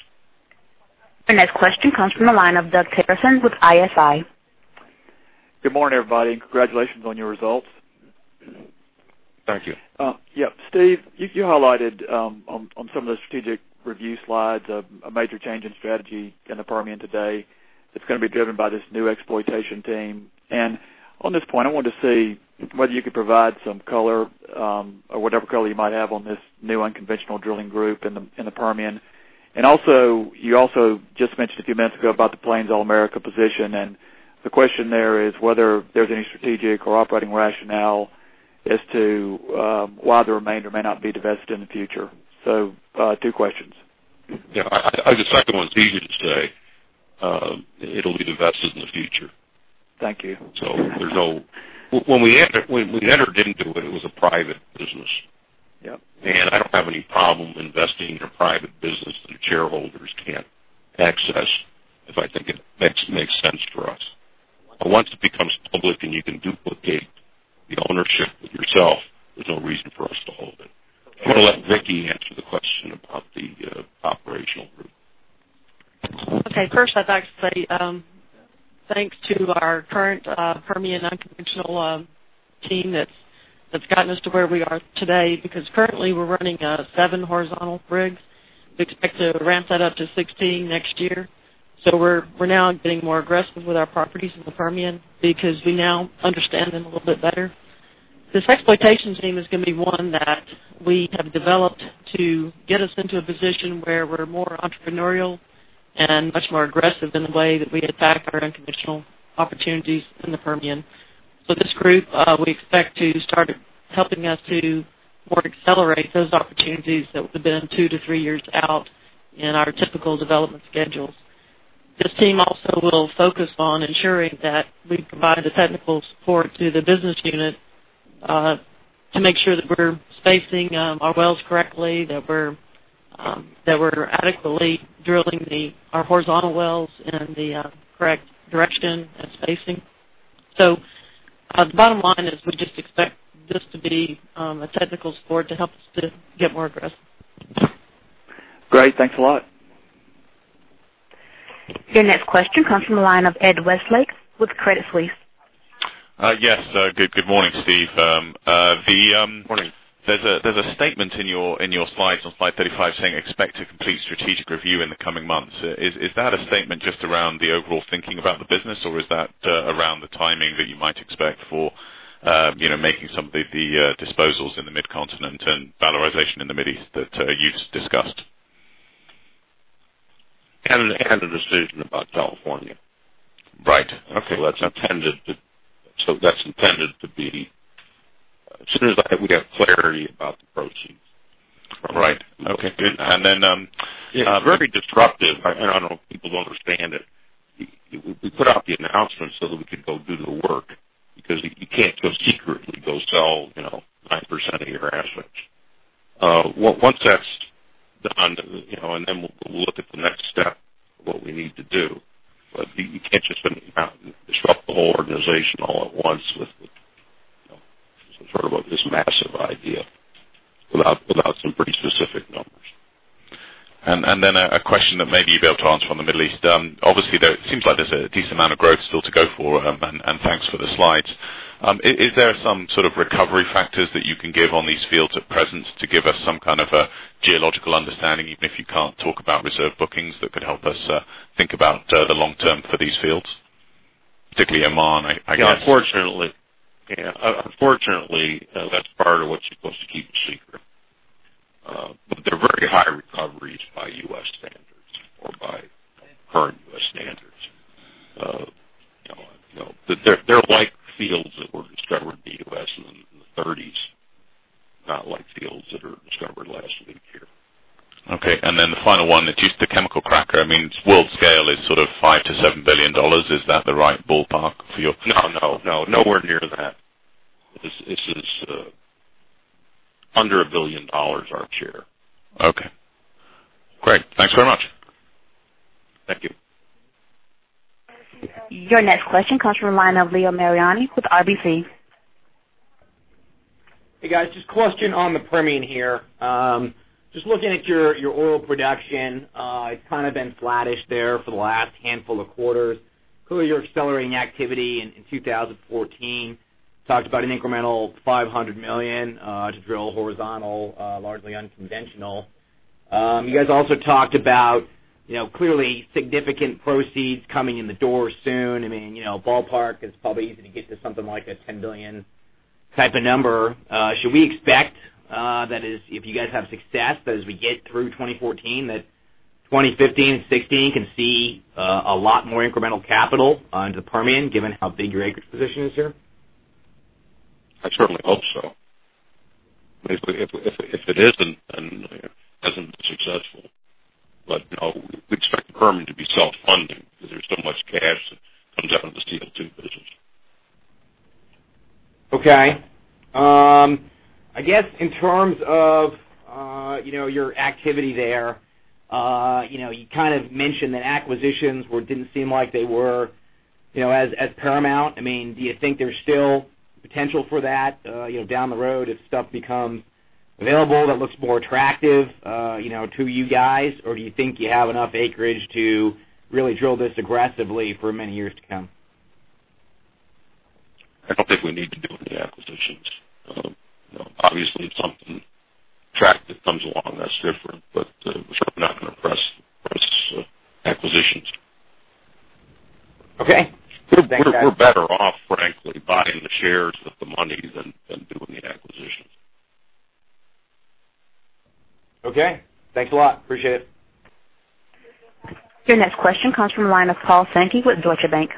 The next question comes from the line of Doug Terreson with ISI. Good morning, everybody. Congratulations on your results. Thank you. Yeah. Steve, you highlighted on some of the strategic review slides a major change in strategy in the Permian today that's going to be driven by this new exploitation team. On this point, I wanted to see whether you could provide some color or whatever color you might have on this new unconventional drilling group in the Permian. Also, you also just mentioned a few minutes ago about the Plains All American position. The question there is whether there's any strategic or operating rationale as to why the remainder may not be divested in the future. Two questions. Yeah. The second one is easy to say. It'll be divested in the future. Thank you. When we entered into it was a private business. Yep. I don't have any problem investing in a private business that shareholders can't access if I think it makes sense for us. Once it becomes public and you can duplicate the ownership with yourself, there's no reason for us to hold it. I'm going to let Vicki answer the question about the operational group. First, I'd like to say thanks to our current Permian unconventional team that's gotten us to where we are today, because currently we're running seven horizontal rigs. We expect to ramp that up to 16 next year. We're now getting more aggressive with our properties in the Permian because we now understand them a little bit better. This exploitation team is going to be one that we have developed to get us into a position where we're more entrepreneurial and much more aggressive in the way that we attack our unconventional opportunities in the Permian. This group we expect to start helping us to more accelerate those opportunities that would've been 2 to 3 years out in our typical development schedules. This team also will focus on ensuring that we provide the technical support to the business unit to make sure that we're spacing our wells correctly, that we're adequately drilling our horizontal wells in the correct direction and spacing. The bottom line is we just expect this to be a technical support to help us to get more aggressive. Great. Thanks a lot. Your next question comes from the line of Ed Westlake with Credit Suisse. Yes. Good morning, Steve. Morning. There's a statement in your slides on slide 35 saying, "Expect to complete strategic review in the coming months." Is that a statement just around the overall thinking about the business, or is that around the timing that you might expect for making some of the disposals in the Midcontinent and valorization in the Mid East that you've discussed? A decision about California. Right. Okay. That's intended to be as soon as we have clarity about the proceeds. Right. Okay. It's very disruptive, I don't know if people don't understand it. We put out the announcement so that we could go do the work because you can't go secretly go sell 9% of your assets. Once that's done, we'll look at the next step of what we need to do. You can't just disrupt the whole organization all at once with this massive idea without some pretty specific numbers. A question that maybe you'll be able to answer on the Middle East. Obviously, though, it seems like there's a decent amount of growth still to go for. Thanks for the slides. Is there some sort of recovery factors that you can give on these fields at present to give us some kind of a geological understanding, even if you can't talk about reserve bookings, that could help us think about the long term for these fields, particularly Oman, I guess? Yeah. Unfortunately, that's part of what you're supposed to keep a secret. They're very high recoveries by U.S. standards or by current U.S. standards. They're like fields that were discovered in the U.S. in the 1930s, not like fields that are discovered last week here. Okay. The final one, just the chemical cracker. World scale is sort of $5 billion-$7 billion. Is that the right ballpark for you? No, nowhere near that. This is under $1 billion, our share. Okay. Great. Thanks very much. Thank you. Your next question comes from the line of Leo Mariani with RBC. Hey, guys, just a question on the Permian here. Just looking at your oil production, it's kind of been flattish there for the last handful of quarters. Clearly, you're accelerating activity in 2014. Talked about an incremental $500 million to drill horizontal, largely unconventional. You guys also talked about clearly significant proceeds coming in the door soon. Ballpark, it's probably easy to get to something like a $10 billion type of number. Should we expect that if you guys have success as we get through 2014, that 2015 and 2016 can see a lot more incremental capital into the Permian, given how big your acreage position is here? I certainly hope so. If it isn't, then it hasn't been successful. No, we expect the Permian to be self-funding because there's so much cash that comes out of this CO2 business. Okay. I guess in terms of your activity there, you mentioned that acquisitions didn't seem like they were as paramount. Do you think there's still potential for that down the road if stuff becomes available that looks more attractive to you guys? Do you think you have enough acreage to really drill this aggressively for many years to come? I don't think we need to do any acquisitions. Obviously, if something attractive comes along, that's different, but we're certainly not going to press acquisitions. Okay. We're better off, frankly, buying the shares with the money than doing the acquisitions. Okay. Thanks a lot. Appreciate it. Your next question comes from the line of Paul Sankey with Deutsche Bank.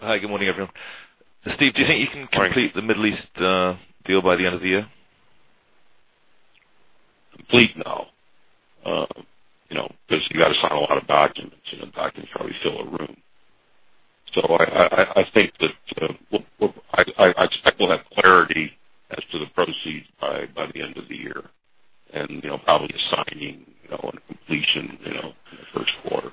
Hi, good morning, everyone. Steve, do you think you can complete the Middle East deal by the end of the year? Complete? No. You've got to sign a lot of documents, the documents probably fill a room. I expect we'll have clarity as to the proceeds by the end of the year and probably a signing on completion in the first quarter.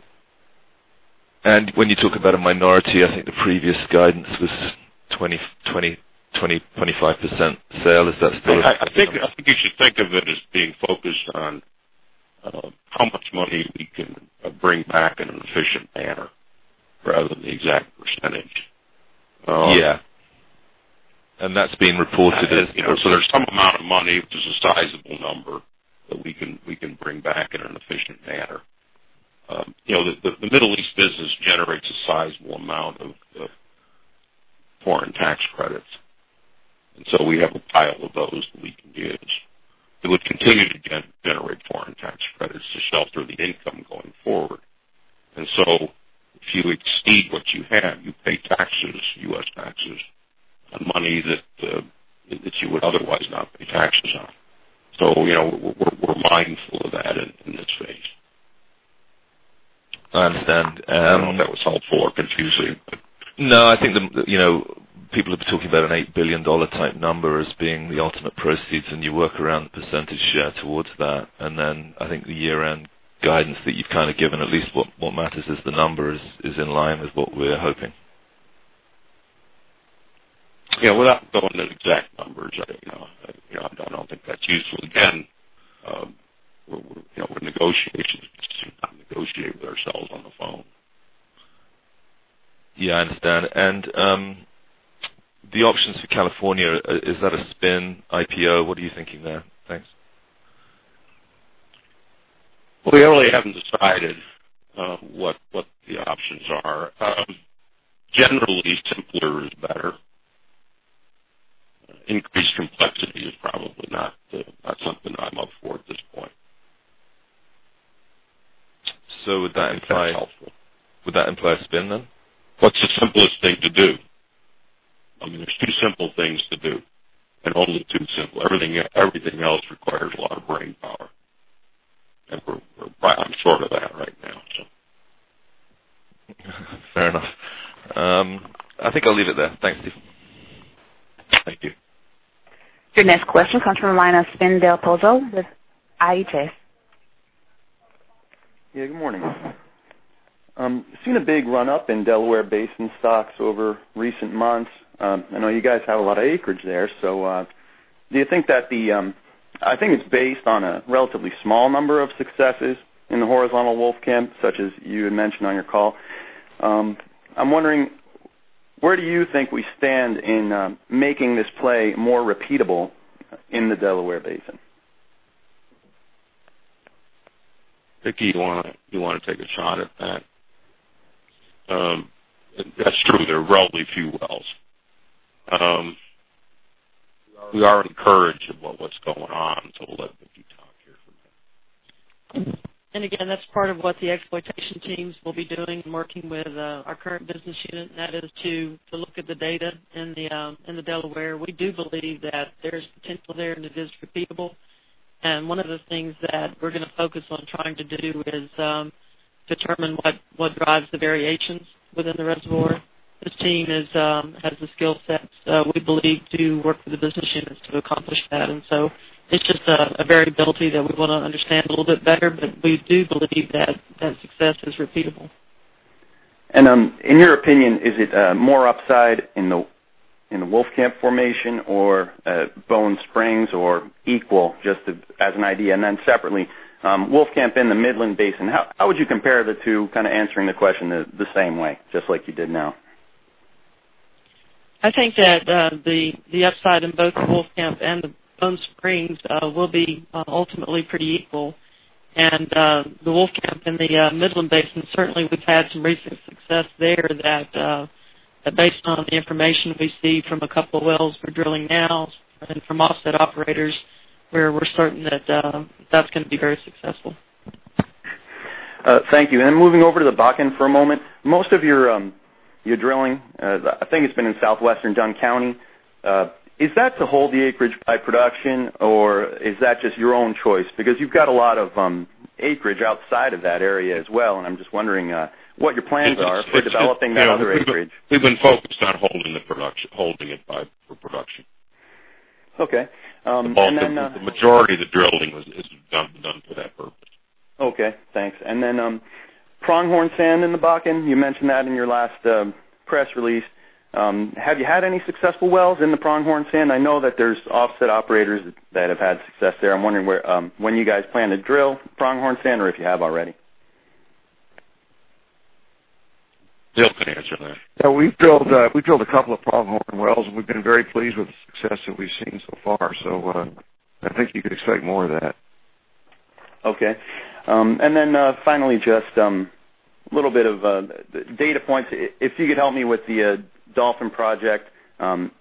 When you talk about a minority, I think the previous guidance was 20%, 25% sale. Is that still? I think you should think of it as being focused on how much money we can bring back in an efficient manner rather than the exact percentage. Yeah. That's been reported as. There's some amount of money, which is a sizable number, that we can bring back in an efficient manner. The Middle East business generates a sizable amount of foreign tax credits, we have a pile of those that we can use that would continue to generate foreign tax credits to shelter the income going forward. If you exceed what you have, you pay taxes, U.S. taxes, on money that you would otherwise not pay taxes on. We're mindful of that in this phase. I understand. I don't know if that was helpful or confusing. I think people have been talking about an $8 billion type number as being the ultimate proceeds, you work around the percentage share towards that. I think the year-end guidance that you've given, at least what matters is the number is in line with what we're hoping. Without going into exact numbers, I don't think that's useful. Again, we're in negotiations. We just did not negotiate with ourselves on the phone. I understand. The options for California, is that a spin, IPO? What are you thinking there? Thanks. We really haven't decided what the options are. Generally, simpler is better. Increased complexity is probably not something I'm up for at this point. Would that imply? If that's helpful. Would that imply a spin, then? What's the simplest thing to do? There's two simple things to do, and only two simple. Everything else requires a lot of brainpower, and I'm short of that right now. Fair enough. I think I'll leave it there. Thanks, Steve. Thank you. Your next question comes from the line of Sven Del Pozzo with IHS. Yeah, good morning. Seen a big run up in Delaware Basin stocks over recent months. I know you guys have a lot of acreage there. I think it's based on a relatively small number of successes in the horizontal Wolfcamp, such as you had mentioned on your call. I'm wondering, where do you think we stand in making this play more repeatable in the Delaware Basin? Vicki, do you want to take a shot at that? That's true. There are relatively few wells. We are encouraged by what's going on. We'll let Vicki talk here for a minute. Again, that's part of what the exploitation teams will be doing, working with our current business unit, and that is to look at the data in the Delaware. We do believe that there's potential there and it is repeatable. One of the things that we're going to focus on trying to do is determine what drives the variations within the reservoir. This team has the skill sets, we believe, to work with the business units to accomplish that. It's just a variability that we want to understand a little bit better. We do believe that that success is repeatable. In your opinion, is it more upside in the Wolfcamp formation or Bone Springs, or equal, just as an idea? Separately, Wolfcamp in the Midland Basin, how would you compare the two, kind of answering the question the same way, just like you did now? I think that the upside in both Wolfcamp and the Bone Springs will be ultimately pretty equal. The Wolfcamp in the Midland Basin, certainly we've had some recent success there. Based on the information we see from a couple wells we're drilling now and from offset operators, we're certain that's going to be very successful. Thank you. Moving over to the Bakken for a moment. Most of your drilling, I think it's been in southwestern Dunn County. Is that to hold the acreage by production or is that just your own choice? Because you've got a lot of acreage outside of that area as well, and I'm just wondering what your plans are for developing that other acreage. We've been focused on holding it by production. Okay. The majority of the drilling was done for that purpose. Okay, thanks. Pronghorn Member in the Bakken, you mentioned that in your last press release. Have you had any successful wells in the Pronghorn Member? I know that there's offset operators that have had success there. I'm wondering when you guys plan to drill Pronghorn Member or if you have already. Bill can answer that. Yeah, we've drilled a couple of Pronghorn wells, we've been very pleased with the success that we've seen so far. I think you could expect more of that. Okay. Finally, just little bit of data points. If you could help me with the Dolphin project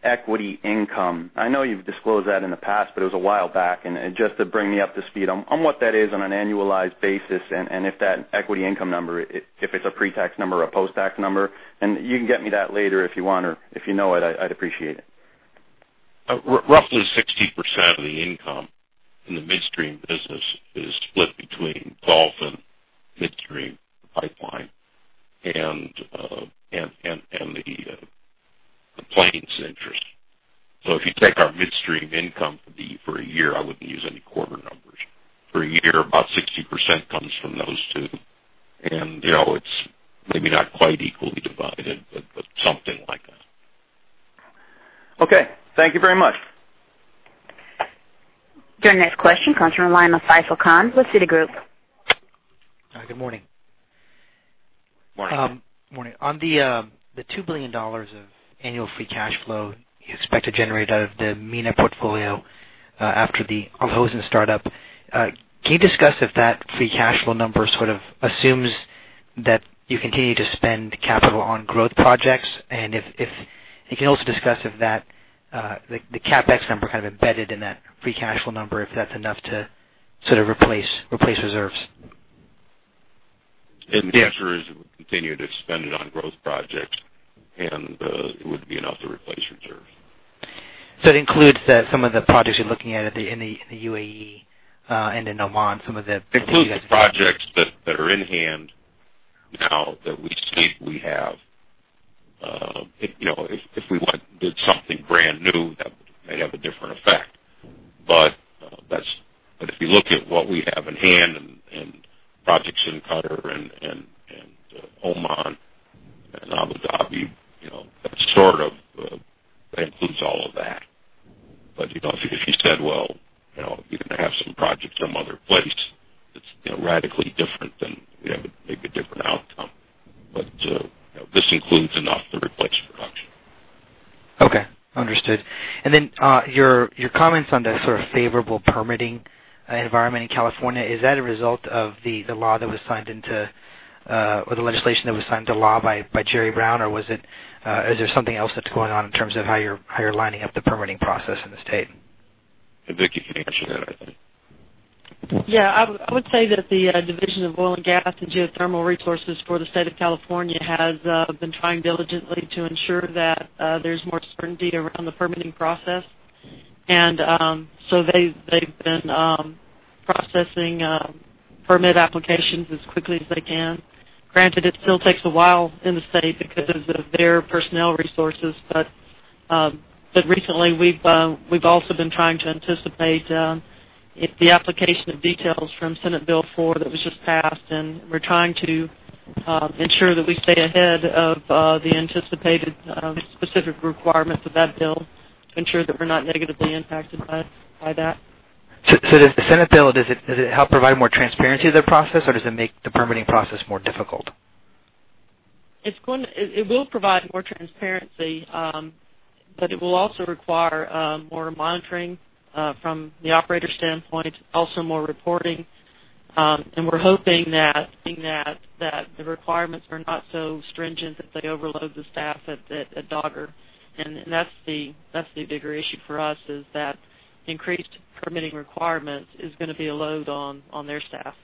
equity income. I know you've disclosed that in the past, it was a while back, just to bring me up to speed on what that is on an annualized basis, if that equity income number, if it's a pre-tax number or a post-tax number. You can get me that later if you want, or if you know it, I'd appreciate it. Roughly 60% of the income in the midstream business is split between Dolphin midstream pipeline and the Plains interest. If you take our midstream income for a year, I wouldn't use any quarter numbers. For a year, about 60% comes from those two. It's maybe not quite equally divided, but something like that. Okay. Thank you very much. Your next question comes from the line of Faisel Khan, Citigroup. Good morning. Morning. Morning. On the $2 billion of annual free cash flow you expect to generate out of the MENA portfolio after the Al Hosn startup, can you discuss if that free cash flow number sort of assumes that you continue to spend capital on growth projects? If you can also discuss if the CapEx number embedded in that free cash flow number, if that's enough to replace reserves? The answer is we continue to spend it on growth projects, and it would be enough to replace reserves. It includes some of the projects you're looking at in the UAE and in Oman. It includes projects that are in hand now that we see we have. If we went and did something brand new, that may have a different effect. If you look at what we have in hand and projects in Qatar and Oman and Abu Dhabi, that includes all of that. If you said, well, we're going to have some projects some other place that's radically different, then it would make a different outcome. This includes enough to replace production. Okay. Understood. Your comments on the sort of favorable permitting environment in California, is that a result of the legislation that was signed into law by Jerry Brown, or is there something else that's going on in terms of how you're lining up the permitting process in the state? Vicki can answer that, I think. Yeah. I would say that the Division of Oil, Gas, and Geothermal Resources for the state of California has been trying diligently to ensure that there's more certainty around the permitting process. They've been processing permit applications as quickly as they can. Granted, it still takes a while in the state because of their personnel resources. Recently, we've also been trying to anticipate the application of details from Senate Bill 4 that was just passed, we're trying to ensure that we stay ahead of the anticipated specific requirements of that bill to ensure that we're not negatively impacted by that. The Senate Bill, does it help provide more transparency to the process, or does it make the permitting process more difficult? It will provide more transparency, but it will also require more monitoring from the operator standpoint, also more reporting. We're hoping that the requirements are not so stringent that they overload the staff at DOGGR. That's the bigger issue for us is that increased permitting requirements is going to be a load on their staff.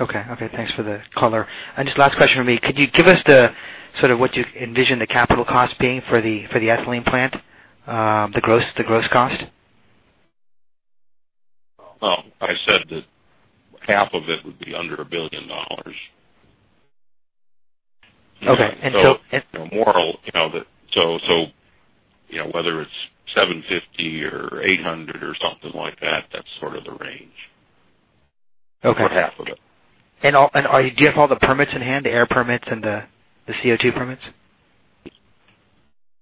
Okay. Thanks for the color. Just last question from me. Could you give us the sort of what you envision the capital cost being for the ethylene plant, the gross cost? Well, I said that half of it would be under $1 billion. Okay. Whether it's 750 or 800 or something like that's sort of the range. Okay. For half of it. Do you have all the permits in hand, the air permits and the CO2 permits?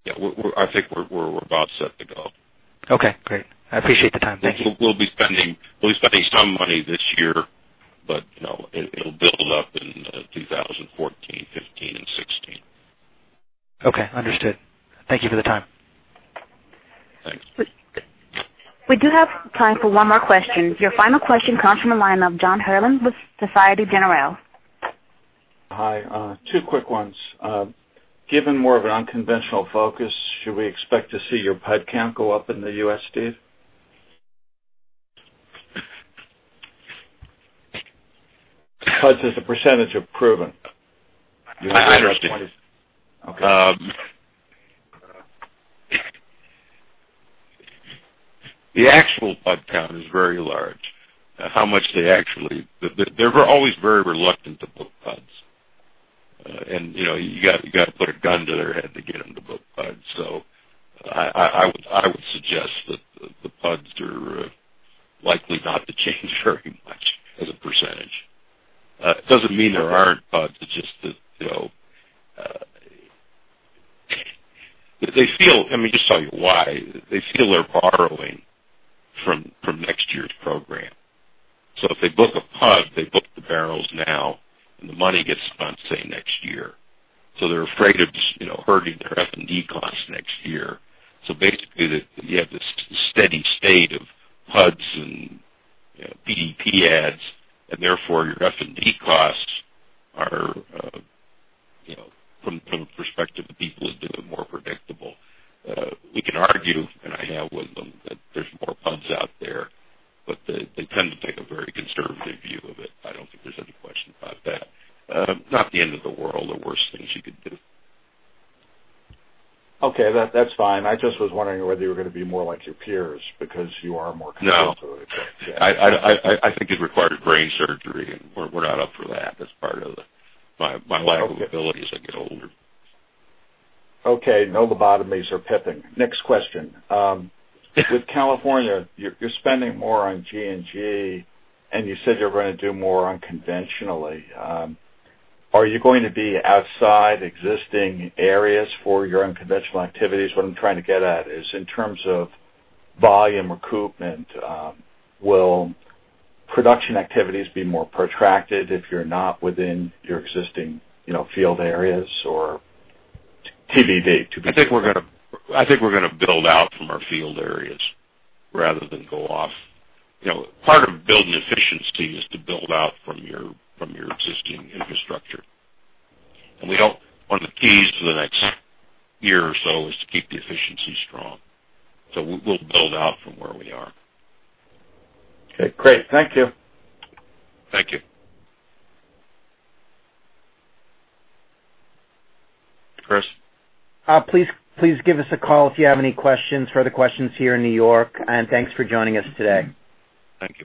Yeah, I think we're about set to go. Okay, great. I appreciate the time. Thank you. We'll be spending some money this year, but it'll build up in 2014, 2015, and 2016. Okay, understood. Thank you for the time. Thanks. We do have time for one more question. Your final question comes from the line of John Herrlin with Societe Generale. Hi, two quick ones. Given more of an unconventional focus, should we expect to see your PUD count go up in the U.S., Steve? PUDs as a percentage of proven. I understand. Okay. The actual PUD count is very large. They're always very reluctant to book PUDs. You've got to put a gun to their head to get them to book PUDs. I would suggest that the PUDs are likely not to change very much as a percentage. It doesn't mean there aren't PUDs. Let me just tell you why. They feel they're borrowing from next year's program. If they book a PUD, they book the barrels now, and the money gets spent, say, next year. They're afraid of hurting their F&D costs next year. Basically, you have this steady state of PUDs and PDP adds, and therefore your F&D costs are, from the perspective of people who do it, more predictable. We can argue, and I have with them, that there's more PUDs out there, they tend to take a very conservative view of it. I don't think there's any question about that. Not the end of the world. There are worse things you could do. Okay, that's fine. I just was wondering whether you were going to be more like your peers because you are more conservative. No. I think it required brain surgery, and we're not up for that as part of my lack of abilities as I get older. Okay. No lobotomies or PUDing. Next question. With California, you're spending more on G&A, and you said you're going to do more unconventionally. Are you going to be outside existing areas for your unconventional activities? What I'm trying to get at is, in terms of volume recoupment, will production activities be more protracted if you're not within your existing field areas? TBD, to be determined. I think we're going to build out from our field areas rather than go off. Part of building efficiency is to build out from your existing infrastructure. One of the keys for the next year or so is to keep the efficiency strong. We'll build out from where we are. Okay, great. Thank you. Thank you. Chris? Please give us a call if you have any questions, further questions here in New York, and thanks for joining us today. Thank you.